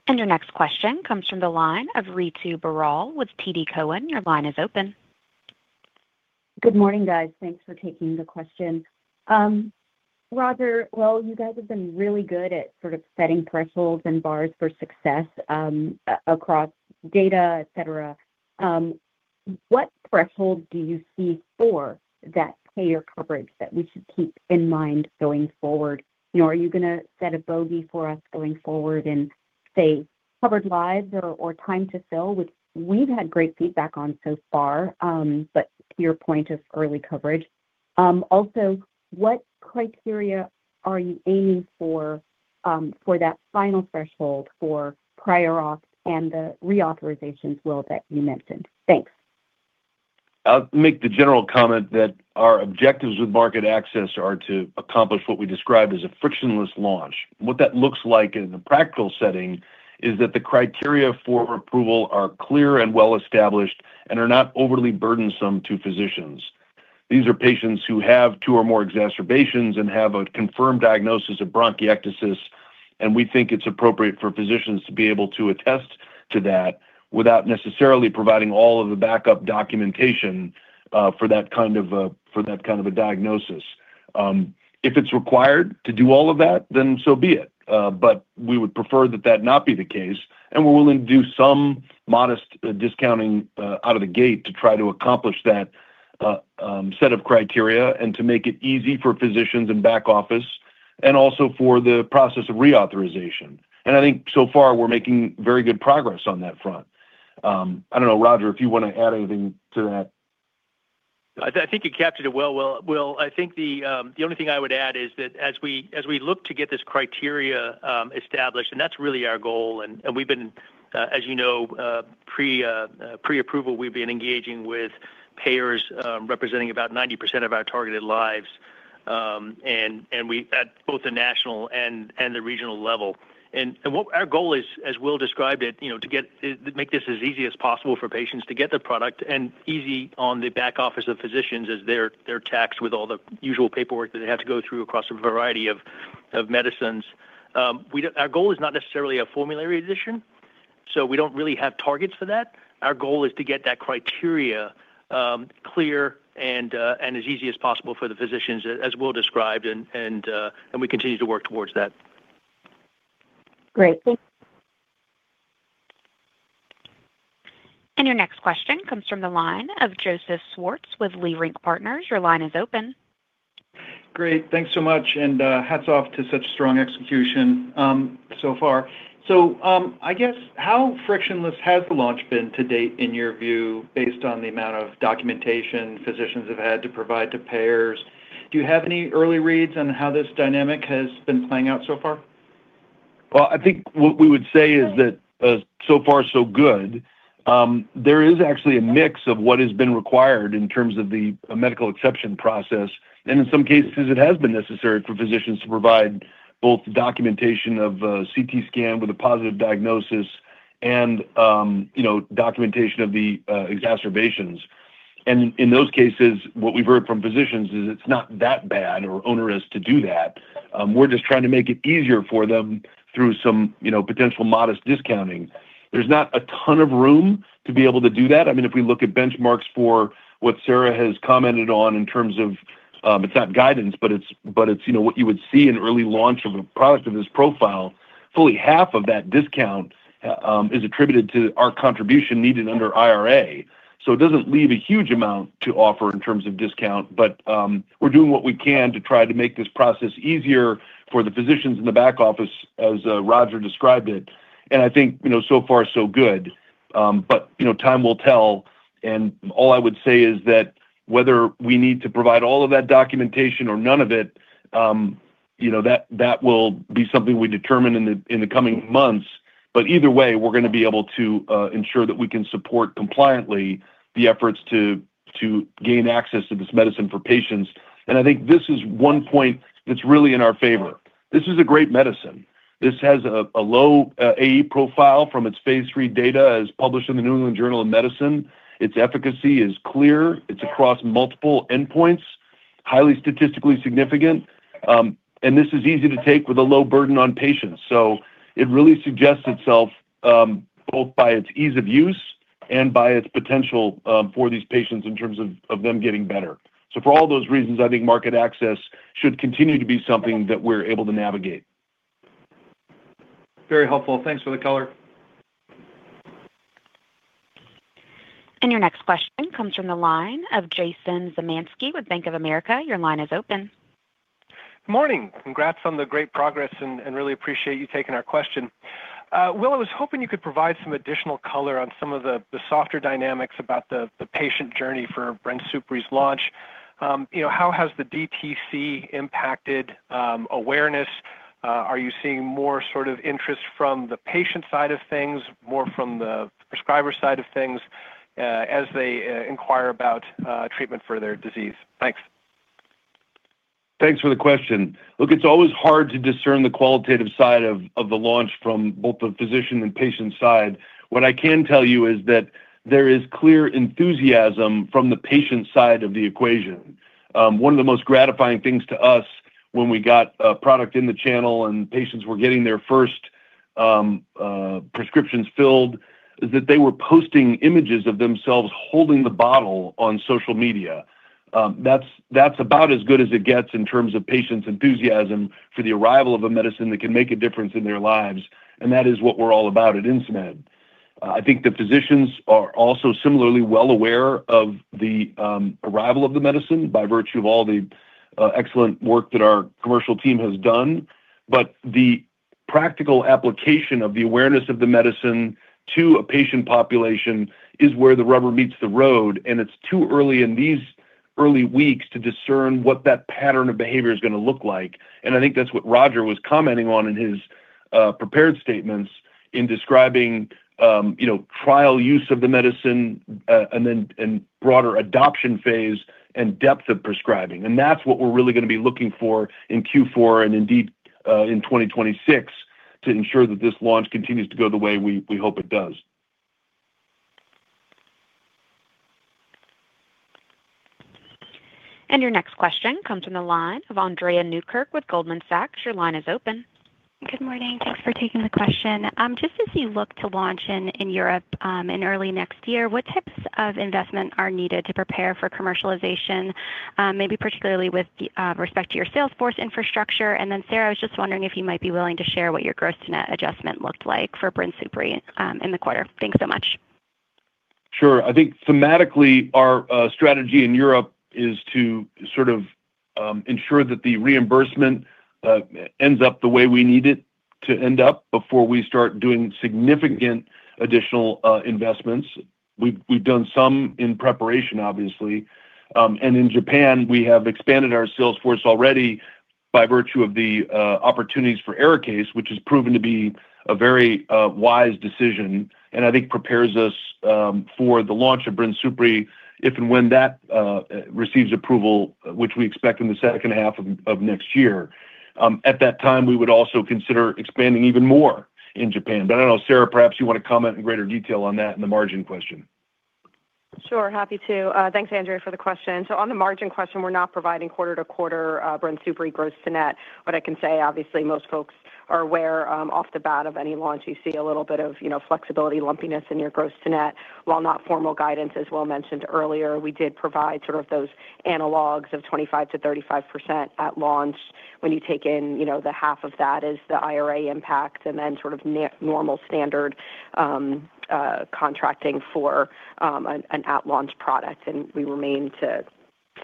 Your next question comes from the line of Ritu Baral with TD Cowen. Your line is open. Good morning, guys. Thanks for taking the question, Roger. You guys have been really good at sort of setting thresholds and bars for success across data, et cetera. What threshold do you see for that payer coverage that we should keep in mind going forward? You know, are you going to set a bogey for us going forward is, say, covered lives or time to fill which we've had great feedback on so far, but to your point of early coverage. Also, what criteria are you aiming for that final threshold for prior authorization. The reauthorization that you mentioned. Thanks. I'll make the general comment that our objectives with market access are to accomplish what we described as a frictionless launch. What that looks like in a practical setting is that the criteria for approval are clear and well established and are not overly burdensome to physicians. These are patients who have two or more exacerbations and have a confirmed diagnosis of bronchiectasis. We think it's appropriate for physicians to be able to attest to that without necessarily providing all of the backup documentation for that kind of diagnosis. If it's required to do all of that, then so be it. We would prefer that that not be the case. We're willing to do some modest discounting out of the gate to try to accomplish that set of criteria and to make it easy for physicians and back office and also for the process of reauthorization. I think so far we're making very good progress on that front. I don't know, Roger, if you want to add anything to that. I think you captured it well. Will, I think the only thing I would add is that as we look to get this criteria established, and that's really our goal, we've been, as you know, preapproval, engaging with payers representing about 90% of our targeted lives at both the national and the regional level. Our goal is, as Will described it, to make this as easy as possible for patients to get the product and easy on the back office of physicians as they're taxed with all the usual paperwork that they have to go through across a variety of medicines. Our goal is not necessarily a formulary addition, so we don't really have targets for that. Our goal is to get that criteria clear and as easy as possible for the physicians as Will described. We continue to work towards that. Great. Thank you. Your next question comes from the line of Joseph Swartz with Leerink Partners. Your line is open. Great. Thanks so much. Hats off to such strong execution so far. I guess how frictionless has the launch been to date in your view, based on the amount of documentation, physicians have had to provide to payers. Do you have any early reads on how this dynamic has been playing out so far? I think what we would say is that so far so good. There is actually a mix of what has been required in terms of the medical exception process, and in some cases it has been necessary for physicians to provide both documentation of CT scan with a positive diagnosis and, you know, documentation of the exacerbations. In those cases, what we've heard from physicians is it's not that bad or onerous to do that. We're just trying to make it easier for them through some, you know, potential modest discounting. There's not a ton of room to be able to do that. If we look at benchmarks for what Sara has commented on in terms of, it's not guidance, but it's, you know, what you would see in early launch of a product of this profile. Fully half of that discount is attributed to our contribution needed under IRA. It doesn't leave a huge amount to offer in terms of discount. We're doing what we can to try to make this process easier for the physicians in the back office, as Roger described it. I think, you know, so far so good, but, you know, time will tell. All I would say is that whether we need to provide all of that documentation or none of it, you know, that will be something we determine in the coming months. Either way, we're going to be able to ensure that we can support compliantly the efforts to gain access to this medicine for patients. I think this is one point that's really in our favor. This is a great medicine. This has a low AE profile from its phase III data as published in the New England Journal of Medicine. Its efficacy is clear. It's across multiple endpoints, highly statistically significant. This is easy to take with a low burden on patients. It really suggests itself both by its ease of use and by its potential for these patients in terms of them getting better. For all those reasons, I think market access should continue to be something that we're able to navigate. Very helpful. Thanks for the color. Your next question comes from the line of Jason Zemansky with Bank of America. Your line is open. Good morning. Congrats on the great progress and really appreciate you taking our question. Will, I was hoping you could provide some additional color on some of the softer dynamics about the patient journey for BRINSUPRI's launch. How has the DTC impacted awareness? Are you seeing more sort of interest from the patient side of things, more from the prescriber side of things as they inquire about treatment for their disease? Thanks. Thanks for the question. Look, it's always hard to discern the qualitative side of the launch from both the physician and patient side. What I can tell you is that there is clear enthusiasm from the patient side of the equation. One of the most gratifying things to us when we got product in the channel and patients were getting their first prescriptions filled is that they were posting images of themselves holding the bottle on social media. That's about as good as it gets in terms of patients' enthusiasm for the arrival of a medicine that can make a difference in their lives. That is what we're all about at Insmed. I think the physicians are also similarly well aware of the arrival of the medicine by virtue of all the excellent work that our commercial team has done. The practical application of the awareness of the medicine to a patient population is where the rubber meets the road. It's too early in these early weeks to discern what that pattern of behavior is going to look like. I think that's what Roger was commenting on in his prepared statements in describing, you know, trial use of the medicine and then broader adoption phase and depth of prescribing. That's what we're really going to be looking for in Q4 and indeed in 2026 to ensure that this launch continues to go the way we hope it does. Your next question comes from the line of Andrea Newkirk with Goldman Sachs. Your line is open. Good morning. Thanks for taking the question. Just as you look to launch in Europe in early next year, what types of investment are needed to prepare for commercial, maybe particularly with respect to your salesforce infrastructure? Sara, I was just wondering if you might be willing to share what your gross to net adjustment looked like for BRINSUPRI in the quarter. Thanks so much. Sure. I think thematically our strategy in Europe is to sort of ensure that the reimbursement ends up the way we need it to end up before we start doing significant additional investments. We've done some in preparation, obviously, and in Japan we have expanded our sales force already by virtue of the opportunities for ARIKAYCE, which has proven to be a very wise decision and I think prepares us for the launch of BRINSUPRI if and when that receives approval, which we expect in the second half of next year. At that time we would also consider expanding even more in Japan, but I don't know. Sara, perhaps you want to comment in greater detail on that in the margin question. Sure. Happy to. Thanks, Andrea, for the question. On the margin question, we're not providing quarter-to-quarter BRINSUPRI gross to net, but I can say obviously most folks are aware off the bat of any launch you see a little bit of flexibility, lumpiness in your gross to net. While not formal guidance, as Will mentioned earlier, we did provide sort of those analogs of 25%-35% at launch when you take in that half of that is the IRA impact and then sort of the normal standard contracting for an at-launch product. We remain to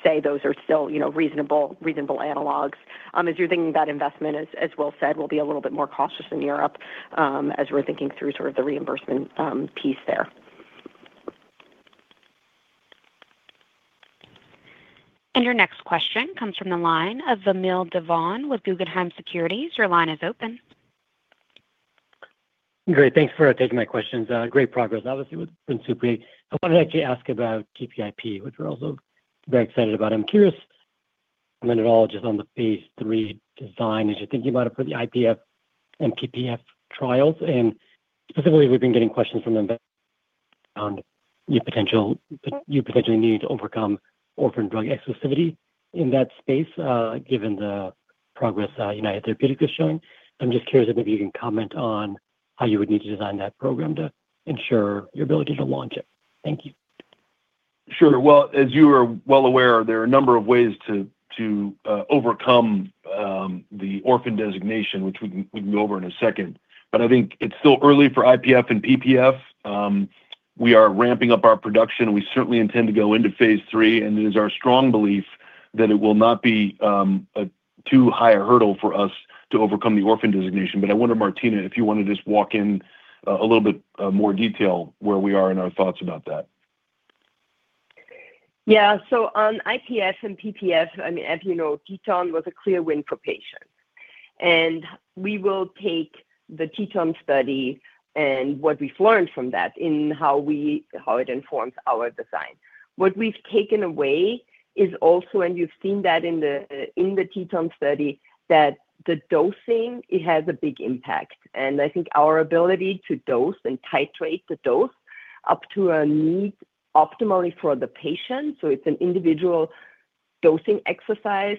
say those are still, you know, reasonable, reasonable analogs as you're thinking. That investment, as Will said, will be a little bit more cautious in Europe as we're thinking through sort of the reimbursement piece there. Your next question comes from the line of Vamil Divan with Guggenheim Securities. Your line is open. Great, thanks for taking my questions. Great progress obviously with I wanted to actually, ask about TPIP, which we're also very excited about. I'm curious, meteorologist, on the phase III design as you're thinking about it for the IPF and PPF trials and specifically we've been getting questions from them around you potentially need to overcome orphan drug exclusivity in that space. Given the progress United Therapeutics is showing, I'm just curious if maybe you can comment on how you would need to design that program to ensure your ability to launch it. Thank you. As you are well aware, there are a number of ways to overcome the Orphan designation, which we can go over in a second. I think it's still early for IPF and PPF. We are ramping up our production. We certainly intend to go into phase III, and it is our strong belief that it will not be too high a hurdle for us to overcome the Orphan designation. Martina, if you want to just walk in a little bit more detail where we are in our thoughts about that. Yeah. On IPF and PPF, as you know, TETON was a clear win for patients and we will take the TETON study and what we've learned from that in how it informs our design. What we've taken away is also, and you've seen that in the TETON study, that the dosing has a big impact and I think our ability to dose and titrate the dose up to a need optimally for the patient. It's an individual dosing exercise,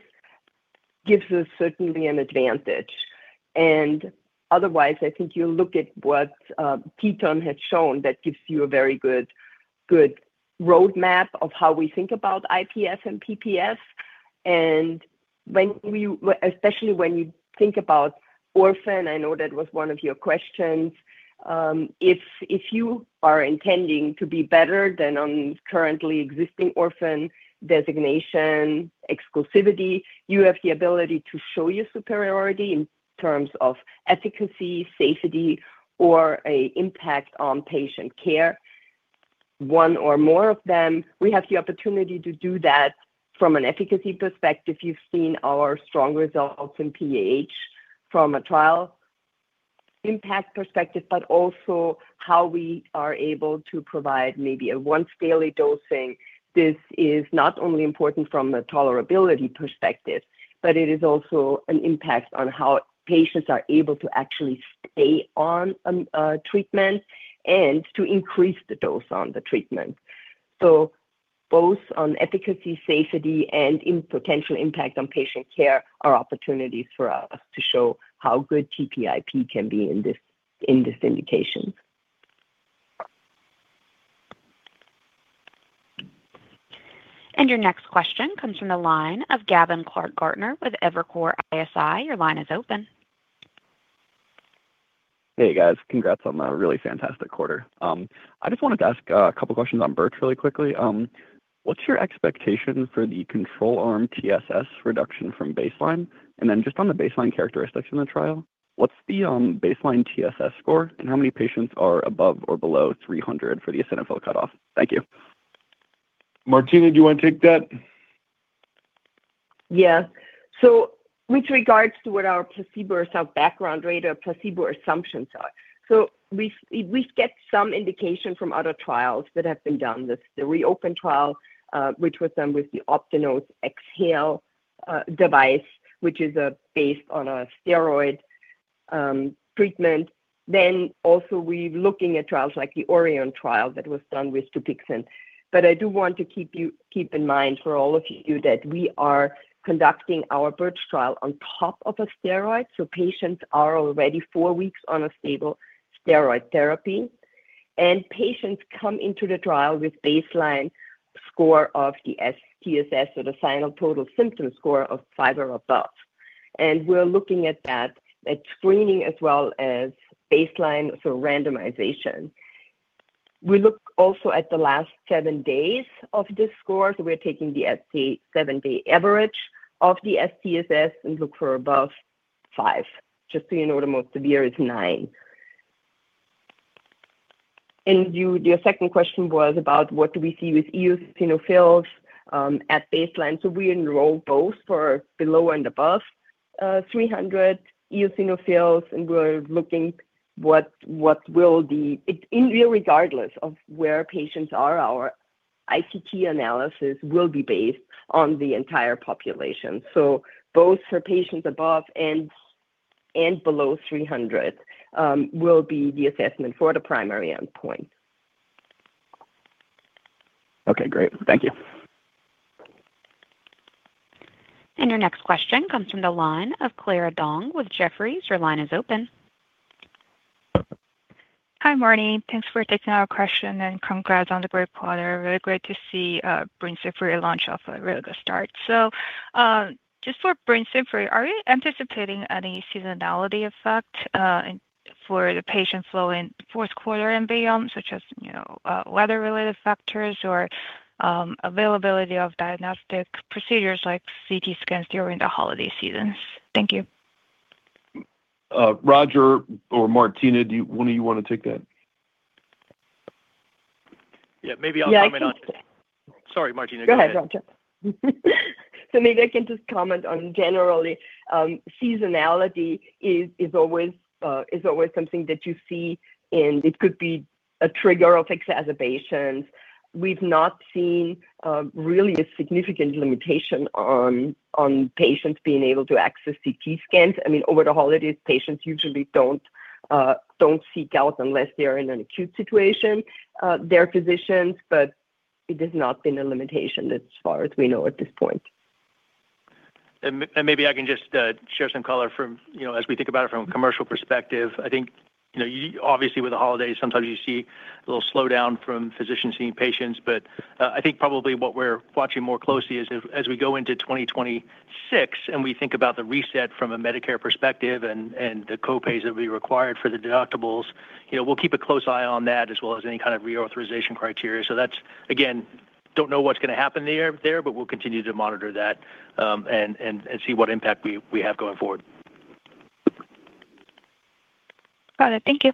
gives us certainly an advantage. Otherwise, I think you look at what TETON had shown, that gives you a very good roadmap of how we think about IPF and PPF, especially when you think about Orphan. I know that was one of your questions. If you are intending to be better than on currently existing Orphan designation, exclusivity, you have the ability to show your superiority in terms of efficacy, safety, or an impact on patient care, one or more of them. We have the opportunity to do that from an efficacy perspective. You've seen our strong results in PAH from a trial impact perspective, but also how we are able to provide maybe a once daily dosing. This is not only important from a tolerability perspective, but it is also an impact on how patients are able to actually stay on treatment and to increase the dose on the treatment. Both on efficacy, safety, and potential impact on patient care are opportunities for us to show how good TPIP can be in this indication. Your next question comes from the line of Gavin Clark-Gartner with Evercore ISI. Your line is open. Hey guys, congrats on a really fantastic quarter. I just wanted to ask a couple questions on BiRCh really quickly. What's your expectation for the control arm TSS reduction from baseline? On the baseline characteristics in the trial, what's the baseline TSS score and how many patients are above or below 300 for the eosinophil cutoff? Thank you. Martina. Do you want to take that? Yeah. So with regards to what our placebo or self background rate or placebo assumptions are, we get some indication from other trials that have been done. The REOPEN trial, which was done with the Optinose Exhalation Device, is based on a steroid treatment. We are also looking at trials like the ORION trial that was done with Dupixent. I do want to keep in mind for all of you that we are conducting our BiRCh trial on top of a steroid. Patients are already four weeks on a stable steroid therapy and patients come into the trial with a baseline score of the TSS, or the final total symptom score, of 5 or above. We're looking at that at screening as well as baseline. At randomization, we look also at the last seven days of this score. We're taking the seven-day average of the TSS and look for above five. Just so you know, the most severe is nine. Your second question was about what do we see with eosinophils at baseline. We enroll both for below and above 300 eosinophils and we're looking at what will be, regardless of where patients are. Our ICT analysis will be based on the entire population. Both for patients above and below 300 will be the assessment for the primary endpoint. Okay, great. Thank you. Your next question comes from the line of Clara Dong with Jefferies. Your line is open. Hi Marty, thanks for taking our question. Congratulations on the great quarter. Really great to see brensocatib launch off a really good start. Just for brensocatib, are you anticipating any seasonality effect for the patient flow in fourth quarter and beyond. As weather-related factors or availability of diagnostic procedures like CT scans during the holiday seasons? Thank you. Roger or Martina, do one of you want to take that? Yeah, maybe I'll comment on. Sorry, Martina. Go ahead, Roger. Maybe I can just comment on generally. Seasonality is always something that you see, and it could be a trigger of exacerbations. We've not seen really a significant limitation on patients being able to access CT scans. I mean, over the holidays, patients usually don't seek out unless they are in an acute situation, their physicians. It has not been a limitation as far as we know at this point. Maybe I can just share some color from, you know, as we think about it from a commercial perspective. I think, you know, obviously with the holidays sometimes you see a little slowdown from physicians seeing patients. I think probably what we're watching more closely is as we go into 2026 and we think about the reset from a Medicare perspective and the co-pays that would be required for the deductibles. We'll keep a close eye on that as well as any kind of reauthorization criteria. That's again, don't know what's going to happen there, but we'll continue to monitor that and see what impact we have going forward. Got it, thank you.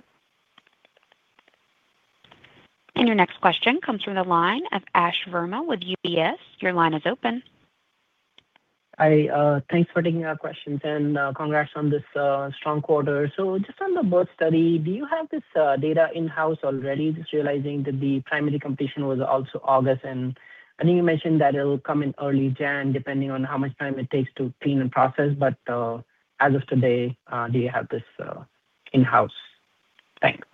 Your next question comes from the line of Ash Verma with UBS. Your line is open. Hi, thanks for taking our questions and congrats on this strong quarter. Just on the BiRCh study, do you have this data in house already? Realizing that the primary completion was also August. I know you mentioned that it'll come in early Jan, depending on how much time it takes to clean and process. As of today, do you have this in house? Thanks.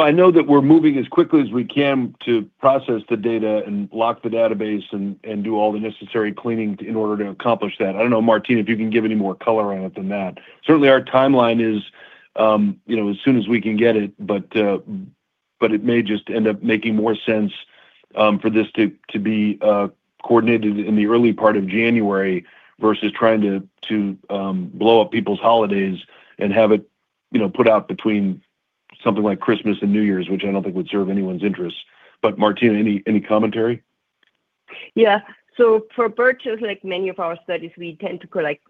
I know that we're moving as quickly as we can to process the data and lock the database and do all the necessary cleaning in order to accomplish that. I don't know, Martina, if you can give any more color on it than that. Certainly our timeline is as soon as we can get it, but it may just end up making more sense for this to be coordinated in the early part of January versus trying to blow up people's holidays and have it put out between something like Christmas and New Year's, which I don't think would serve anyone's interests. Martina, any commentary? Yeah. For BiRChES, like many of our studies, we tend to collect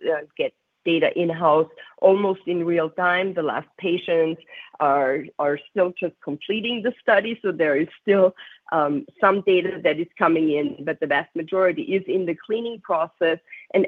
data in house almost in real time. The last patients are still just completing the study, so there is still some data that is coming in, but the vast majority is in the cleaning process.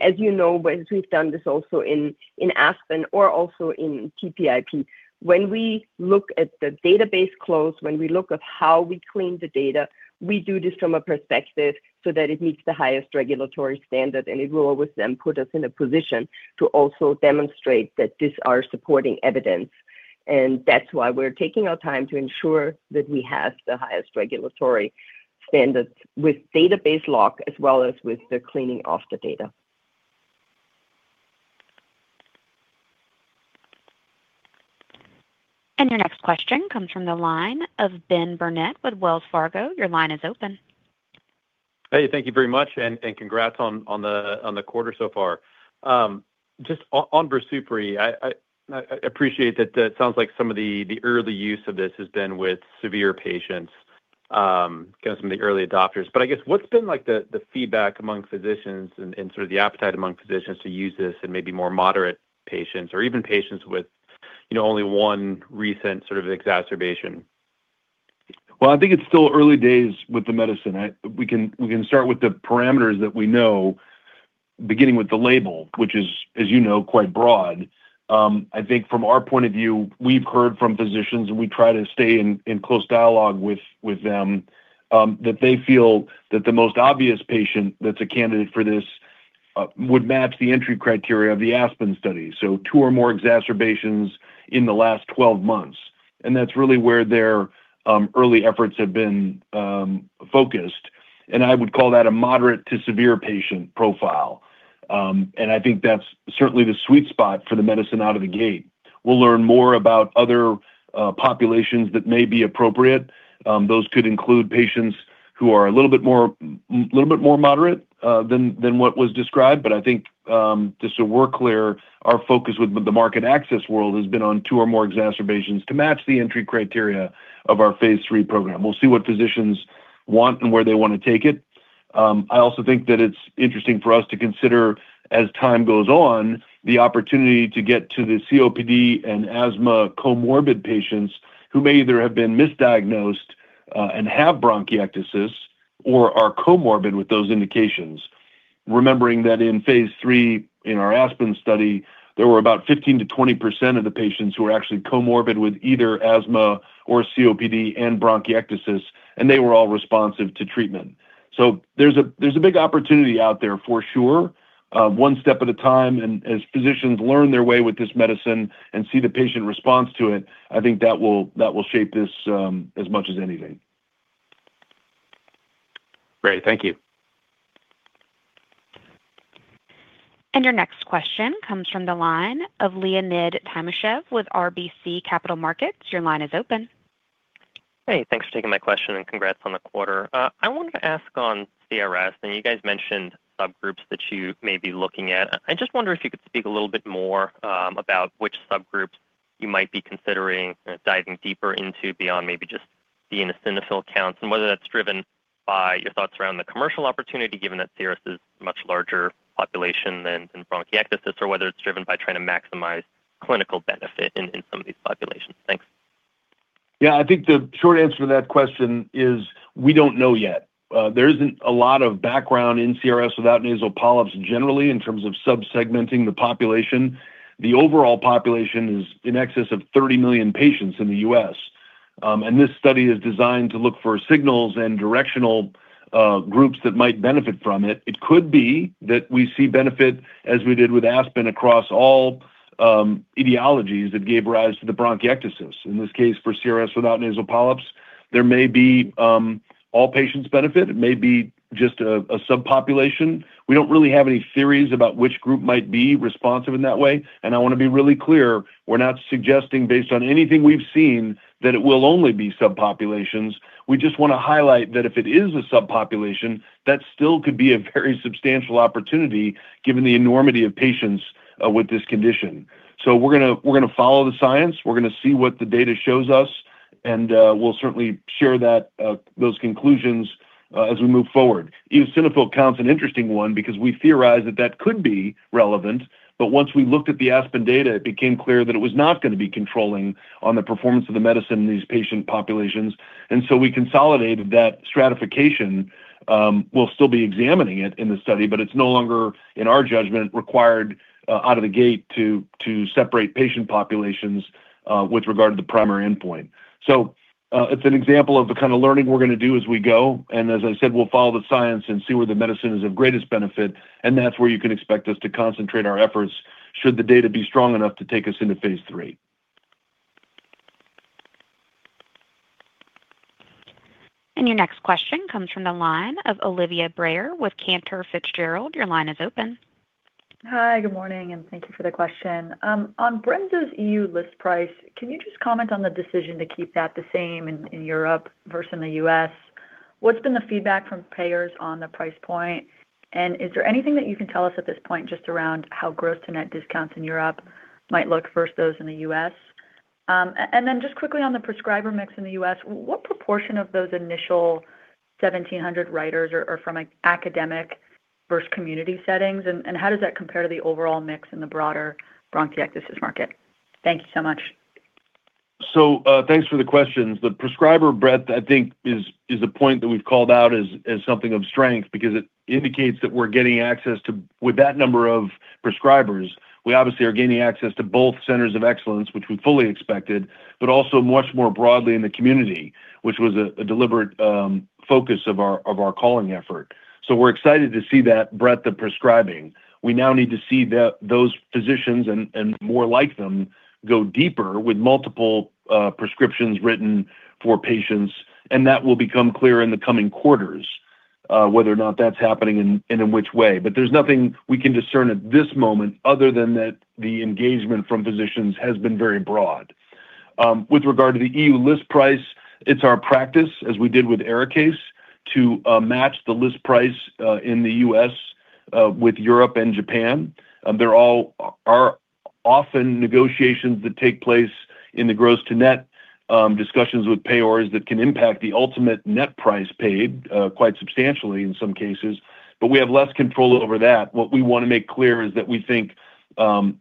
As you know, we've done this also in ASPEN or also in TPIP. When we look at the database close, when we look at how we clean the data, we do this from a perspective so that it meets the highest regulatory standard. It will always then put us in a position to also demonstrate that this is our supporting evidence. That's why we're taking our time to ensure that we have the highest regulatory standards with database lock as well as with the cleaning of the data. Your next question comes from the line of Ben Burnett with Wells Fargo. Your line is open. Hey, thank you very much and congrats on the quarter so far. Just on BRINSUPRI, I appreciate that it sounds like some of the early use of this has been with severe patients, kind of some of the early adopters. I guess what's been like the feedback among physicians and sort of the appetite among physicians to use this maybe more moderate patients or even patients with, you know, only one recent sort of exacerbation. I think it's still early days with the medicine. We can start with the parameters that we know, beginning with the label, which is, as you know, quite broad, I think, from our point of view. We've heard from physicians and we try to stay in close dialogue with them that they feel that the most obvious patient that's a candidate for this would match the entry criteria of the ASPEN study. Two or more exacerbations in the last 12 months, and that's really where their early efforts have been focused. I would call that a moderate to severe patient profile. I think that's certainly the sweet spot for the medicine out of the gate. We'll learn more about other populations that may be appropriate. Those could include patients who are a little bit more, a little bit more moderate than what was described. Just so we're clear, our focus with the market access world has been on two or more exacerbations to match the entry criteria of our phase III program. We'll see what physicians want and where they want to take it. I also think that it's interesting for us to consider, as time goes on, the opportunity to get to the COPD and asthma comorbid patients who may either have been misdiagnosed and have bronchiectasis or are comorbid with those indications. Remembering that in phase III in our ASPEN study, there were about 15%-20% of the patients who were actually comorbid with either asthma or COPD and bronchiectasis and they were all responsive to treatment. There's a big opportunity out there for sure. One step at a time. As physicians learn their way with this medicine and see the patient response to it, I think that will shape this as much as anything. Great, thank you. Your next question comes from the line of Leonid Timashev with RBC Capital Markets. Your line is open. Hey, thanks for taking my question and congrats on the quarter. I wanted to ask on CRS and you guys mentioned subgroups that you may be looking at. I just wonder if you could speak a little bit more about which subgroups you might be considering diving deeper into beyond maybe just the eosinophil counts and whether that's driven by your thoughts around the commercial opportunity given that CRS is a much larger population than bronchiectasis or whether it's driven by trying to maximize clinical benefit in some of these populations. Thanks. Yeah, I think the short answer to that question is we don't know yet. There isn't a lot of background in CRS without nasal polyps generally in terms of sub segmenting the population. The overall population is in excess of 30 million patients in the U.S. and this study is designed to look for signals and directional groups that might benefit from it. It could be that we see benefit, as we did with ASPEN, across all etiologies that gave rise to the bronchiectasis. In this case, for CRS without nasal polyps, there may be all patients benefit. It may be just a subpopulation. We don't really have any theories about which group might be responsive in that way. I want to be really clear. We're not suggesting based on anything we've seen that it will only be subpopulations. We just want to highlight that if it is a subpopulation, that still could be a very substantial opportunity given the enormity of patients with this condition. We're going to follow the science, we're going to see what the data shows us and we'll certainly share those conclusions as we move forward. Eosinophil count is an interesting one because we theorized that that could be relevant. Once we looked at the ASPEN data, it became clear that it was not going to be controlling on the performance of the medicine in these patient populations. We consolidated that stratification. We'll still be examining it in the study, but it's no longer, in our judgment, required out of the gate to separate patient populations with regard to the primary endpoint. It's an example of the kind of learning we're going to do as we go. As I said, we'll follow the science and see where the medicine is of greatest benefit. That's where you can expect us to concentrate our efforts should the data be strong enough to take us into phase III. Your next question comes from the line of Olivia Brayer with Cantor Fitzgerald. Your line is open. Hi, good morning and thank you. For the question on brensocatib's EU list price, can you just comment on the decision to keep that the same? Europe versus in the U.S., what's been the feedback from payers on the price point? Is there anything that you can tell us at this point? Just around how gross-to-net discounts in Europe might look versus those in the U.S. and then just quickly on the prescriber mix in the U.S., what proportion of those initial 1,700 writers are from academic versus community settings? How does that compare to the overall mix in the broader bronchiectasis market? Thank you so much. Thanks for the questions. The prescriber breadth, I think, is a point that we've called out as something of strength because it indicates that we're getting access with that number of prescribers. We obviously are gaining access to both centers of excellence, which we fully expected, but also much more broadly in the community, which was a deliberate focus of our calling effort. We're excited to see that breadth of prescribing. We now need to see those physicians and more like them go deeper with multiple prescriptions written for patients. That will become clear in the coming quarters whether or not that's happening and in which way. There's nothing we can discern at this moment other than that the engagement from physicians has been very broad. With regard to the EU list price, it's our practice, as we did with ARIKAYCE, to match the list price in the U.S. with Europe and Japan. There are often negotiations that take place in the gross to net discussions with payors that can impact the ultimate net price paid quite substantially in some cases. We have less control over that. What we want to make clear is that we think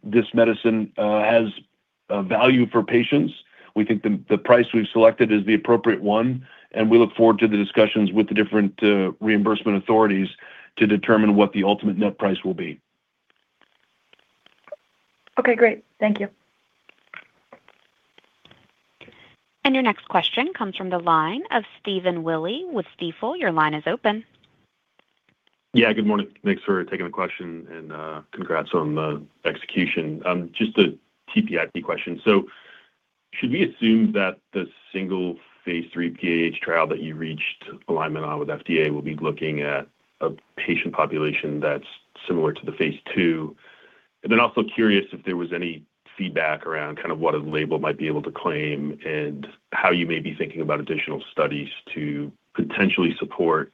this medicine has value for patients. We think the price we've selected is the appropriate one, and we look forward to the discussions with the different reimbursement authorities to determine what the ultimate net price will be. Okay, great. Thank you. Your next question comes from the line of Stephen Willey with Stifel. Your line is open. Yeah, good morning. Thanks for taking the question and congrats on the execution. Just a TPIP question. Should we assume that the single phase III PH trial that you reached alignment on with FDA will be looking at a patient population that's similar to the phase II? Also curious if there was any feedback around what a label might be able to claim and how you may be thinking about additional studies to potentially support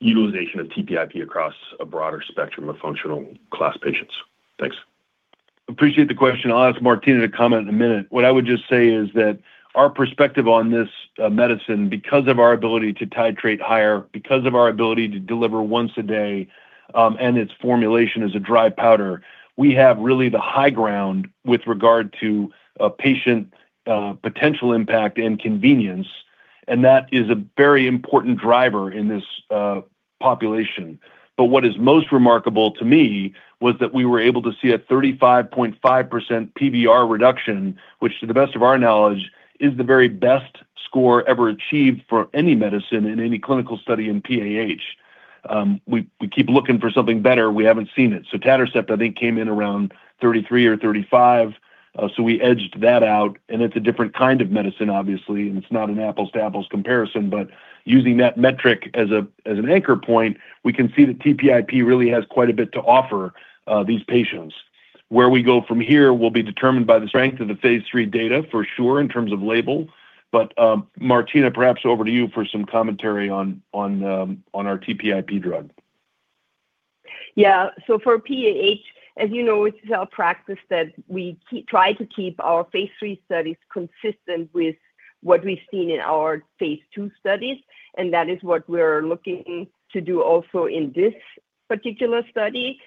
utilization of TPIP across a broader spectrum of functional class patients. Thanks. Appreciate the question. I'll ask Martina to comment in a minute. What I would just say is that our perspective on this medicine, because of our ability to titrate higher, because of our ability to deliver once a day and its formulation as a dry powder, we have really the high ground with regard to patient potential impact and convenience. That is a very important driver in this population. What is most remarkable to me was that we were able to see a 35.5% PVR reduction, which to the best of our knowledge is the very best score ever achieved for any medicine in any clinical study. In PAH, we keep looking for something better. We haven't seen it sotatercept, I think, came in around 33% or 35%, so we edged that out. It's a different kind of medicine, obviously, and it's not an apples to apples comparison. Using that metric as an anchor point, we can see that TPIP really has quite a bit to offer these patients. Where we go from here will be determined by the strength of the phase III data for sure in terms of label. Martina, perhaps over to you for some commentary on our TPIP drug. Yeah, so for PAH, as you know, it's our practice that we try to keep our phase III studies consistent with what we've seen in our phase II studies. That is what we're looking to do also in this particular study.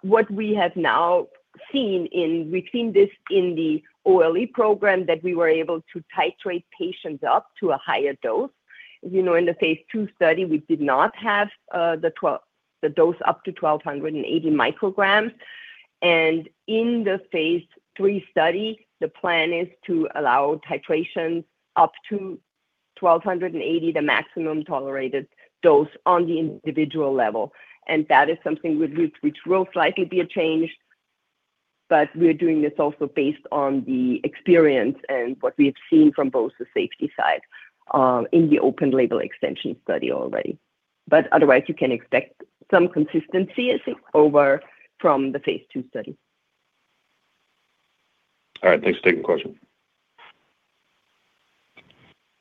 What we have now seen, we've seen this in the OLE program, that we were able to titrate patients up to a higher dose. In the phase II study, we did not have the dose up to 1280 micrograms. In the phase III study, the plan is to allow titrations up to 1280, the maximum tolerated dose on the individual level. That is something which will slightly be a change. We're doing this also based on the experience and what we have seen from both the safety side in the open-label extension study already. Otherwise, you can expect some consistency over from the phase II study. All right, thanks for taking the question.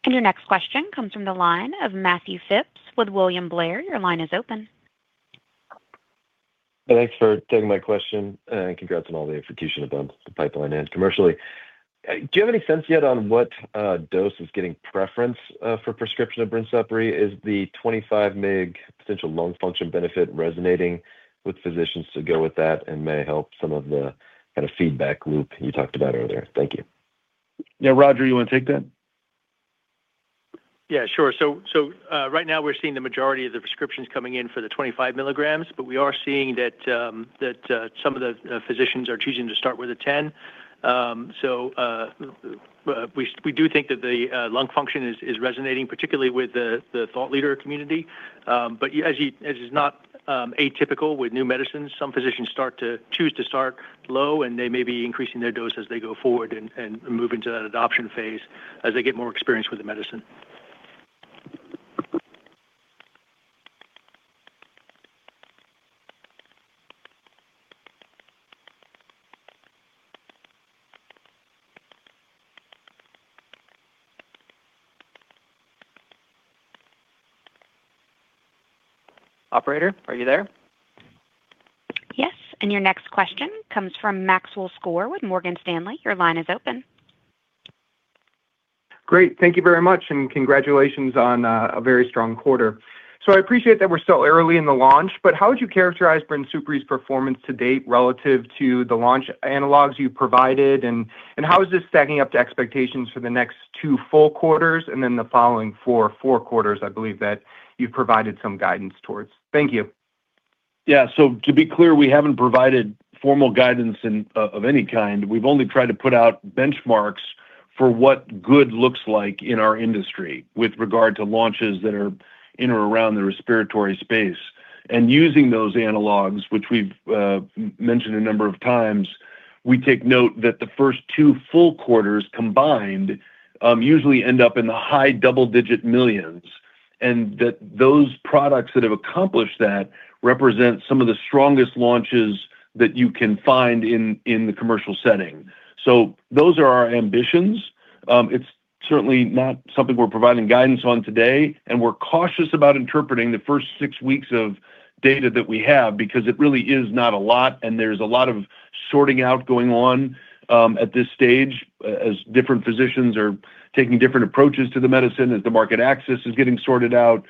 Your next question comes from the line of Matthew Phipps with William Blair. Your line is open. Thanks for taking my question and congrats on all the execution about the pipeline and commercially. Do you have any sense yet on what dose is getting preference for prescription of BRINSUPRI? Is the 25 mg potential lung function benefit resonating with physicians to go with that and may help some of the kind of feedback loop you talked about earlier. Thank you. Now, Roger, you want to take that? Yeah, sure. Right now we're seeing the majority of the prescriptions coming in for the 25 mg, but we are seeing that some of the physicians are choosing to start with a 10 mg. We do think that the lung function is resonating, particularly with the thought leader community. As is not atypical with new medicines, some physicians choose to start low and they may be increasing their dose as they go forward and move into that adoption phase as they get more experience with the medicine. Operator, are you there? Yes. Your next question comes from Maxwell Skor with Morgan Stanley. Your line is open. Great. Thank you very much, and congratulations on a very strong quarter. I appreciate that we're still early in the launch, how would you characterize BRINSUPRI's performance to date relative to the launch analogs you provided? How is this stacking up to expectations for the next two full quarters and then the following four quarters? I believe that you've provided some guidance towards. Thank you. Yeah, to be clear, we haven't provided formal guidance of any kind. We've only tried to put out benchmarks for what good looks like in our industry with regard to launches that are in or around the respiratory space. Using those analogs, which we've mentioned a number of times, we take note that the first two full quarters combined usually end up in the high double-digit millions and that those products that have accomplished that represent some of the strongest launches that you can find in the commercial setting. Those are our ambitions. It's certainly not something we're providing guidance on today. We're cautious about interpreting the first six weeks of data that we have because it really is not a lot and there's a lot of sorting out going on at this stage as different physicians are taking different approaches to the medicine as the market access is getting sorted out.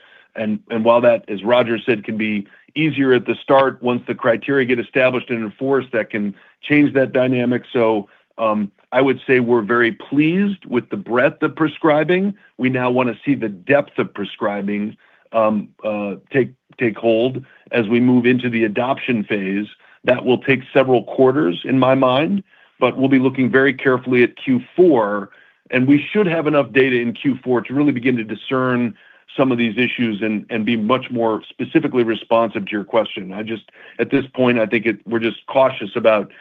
While that, as Roger said, can be easier at the start, once the criteria get established and enforced, that can change that dynamic. I would say we're very pleased with the breadth of prescribing. We now want to see the depth of prescribing take hold as we move into the adoption phase. That will take several quarters in my mind, but we'll be looking very carefully at Q4 and we should have enough data in Q4 to really begin to discern some of these issues and be much more specifically responsive to your question. At this point I think we're just cautious about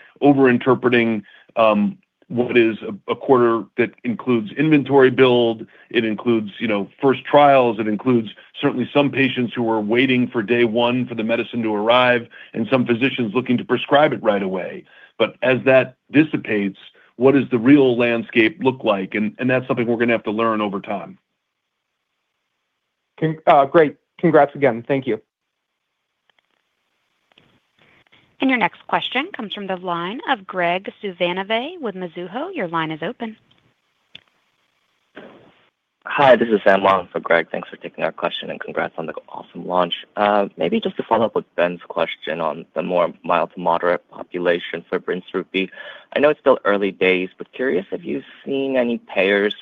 over-interpreting what is a quarter. That includes inventory build, it includes first trials, it includes certainly some patients who were waiting for day one for the medicine to arrive and some physicians looking to prescribe it right away. As that dissipates, what does the real landscape look like? That's something we're going to have to learn over time. Great. Congrats again. Thank you. Your next question comes from the line of [Greg Suvanove] with Mizuho. Your line is open. Hi, this is [Sam Long] for Greg. Thanks for taking our question and congrats on the awesome launch. Maybe just to follow up with Ben's question on the more mild to moderate population for BRINSUPRI. I know it's still early days, but curious, have you seen any payers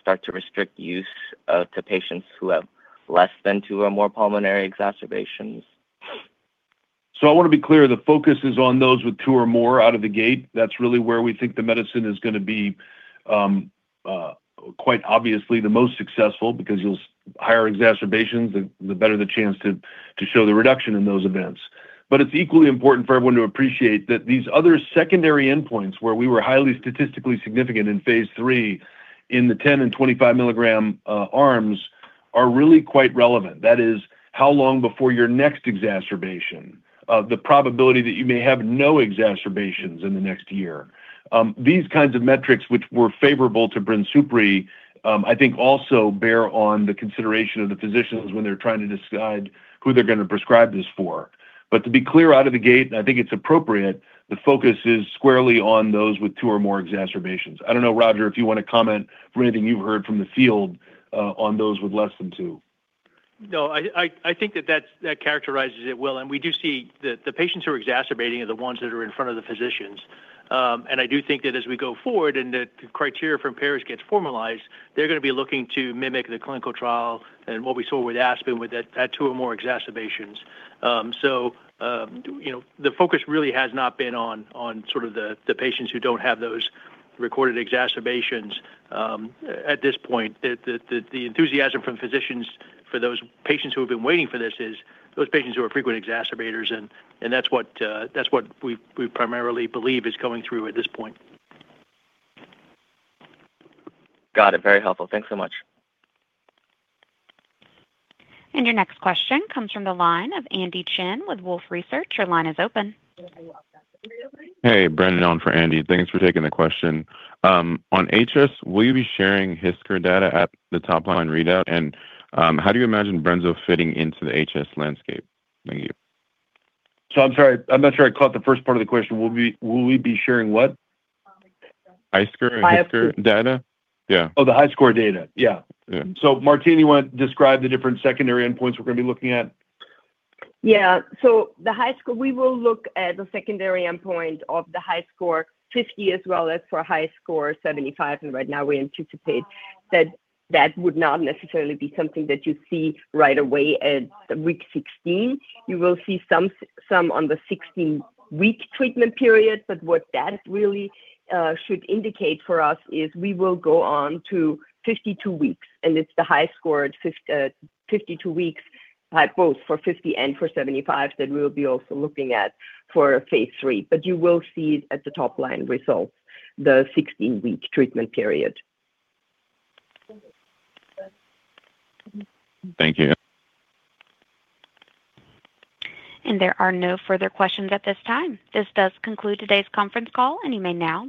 start to restrict use to patients who have?ess than two or more pulmonary exacerbations? I want to be clear, the focus is on those with two or more out of the gate. That's really where we think the medicine is going to be quite obviously the most successful because you'll have higher exacerbations, the better the chance to show the reduction in those events. It's equally important for everyone to appreciate that these other secondary endpoints where we were highly statistically significant in phase III in the 10 mg and 25 mg arms are really quite relevant. That is how long before your next exacerbation, the probability that you may have no exacerbations in the next year. These kinds of metrics, which were favorable to BRINSUPRI, I think also bear on the consideration of the physicians when they're trying to decide who they're going to prescribe this for. To be clear out of the gate, I think it's appropriate the focus is squarely on those with two or more exacerbations. I don't know, Roger, if you want to comment for anything you've heard from the field on those with less than two. No, I think that characterizes it well. We do see the patients who are exacerbating are the ones that are in front of the physicians. I do think that as we go forward and the criteria for impairs gets formalized, they're going to be looking to mimic the clinical trial and what we saw with ASPEN with that two or more exacerbations. The focus really has not been on the patients who don't have those recorded exacerbations at this point. The enthusiasm from physicians for those patients who have been waiting for this is those patients who are frequent exacerbators. That's what we primarily believe is going through at this point. Got it. Very helpful. Thanks so much. Your next question comes from the line of Andy Chen with Wolfe Research. Your line is open. Hey, Brandon, on for Andy. Thanks for taking the question on HS. Will you be sharing HS data at the top line readout? How do you imagine BRINSUPRI fitting into the HS landscape? Thank you. I'm sorry, I'm not sure I caught the first part of the question. Will we be sharing what HiSCR data? Yeah. Oh, the HiSCR data. Yeah. Martina, you want to describe the different secondary endpoints we're going to be looking at? Yeah. The HiSCR, we will look at the secondary endpoint of the HiSCR 50 as well as for HiSCR 75. Right now we anticipate that that would not necessarily be something that you see right away at week 16. You will see some on the 16-week treatment period. What that really should indicate for us is we will go on to 52 weeks, and it's the HiSCR at 52 weeks, both for 50 and for 75, that we will be also looking at for phase III. You will see it at the top-line results, the 16-week treatment period. Thank you. There are no further questions at this time. This does conclude today's conference call and you may now be dismissed.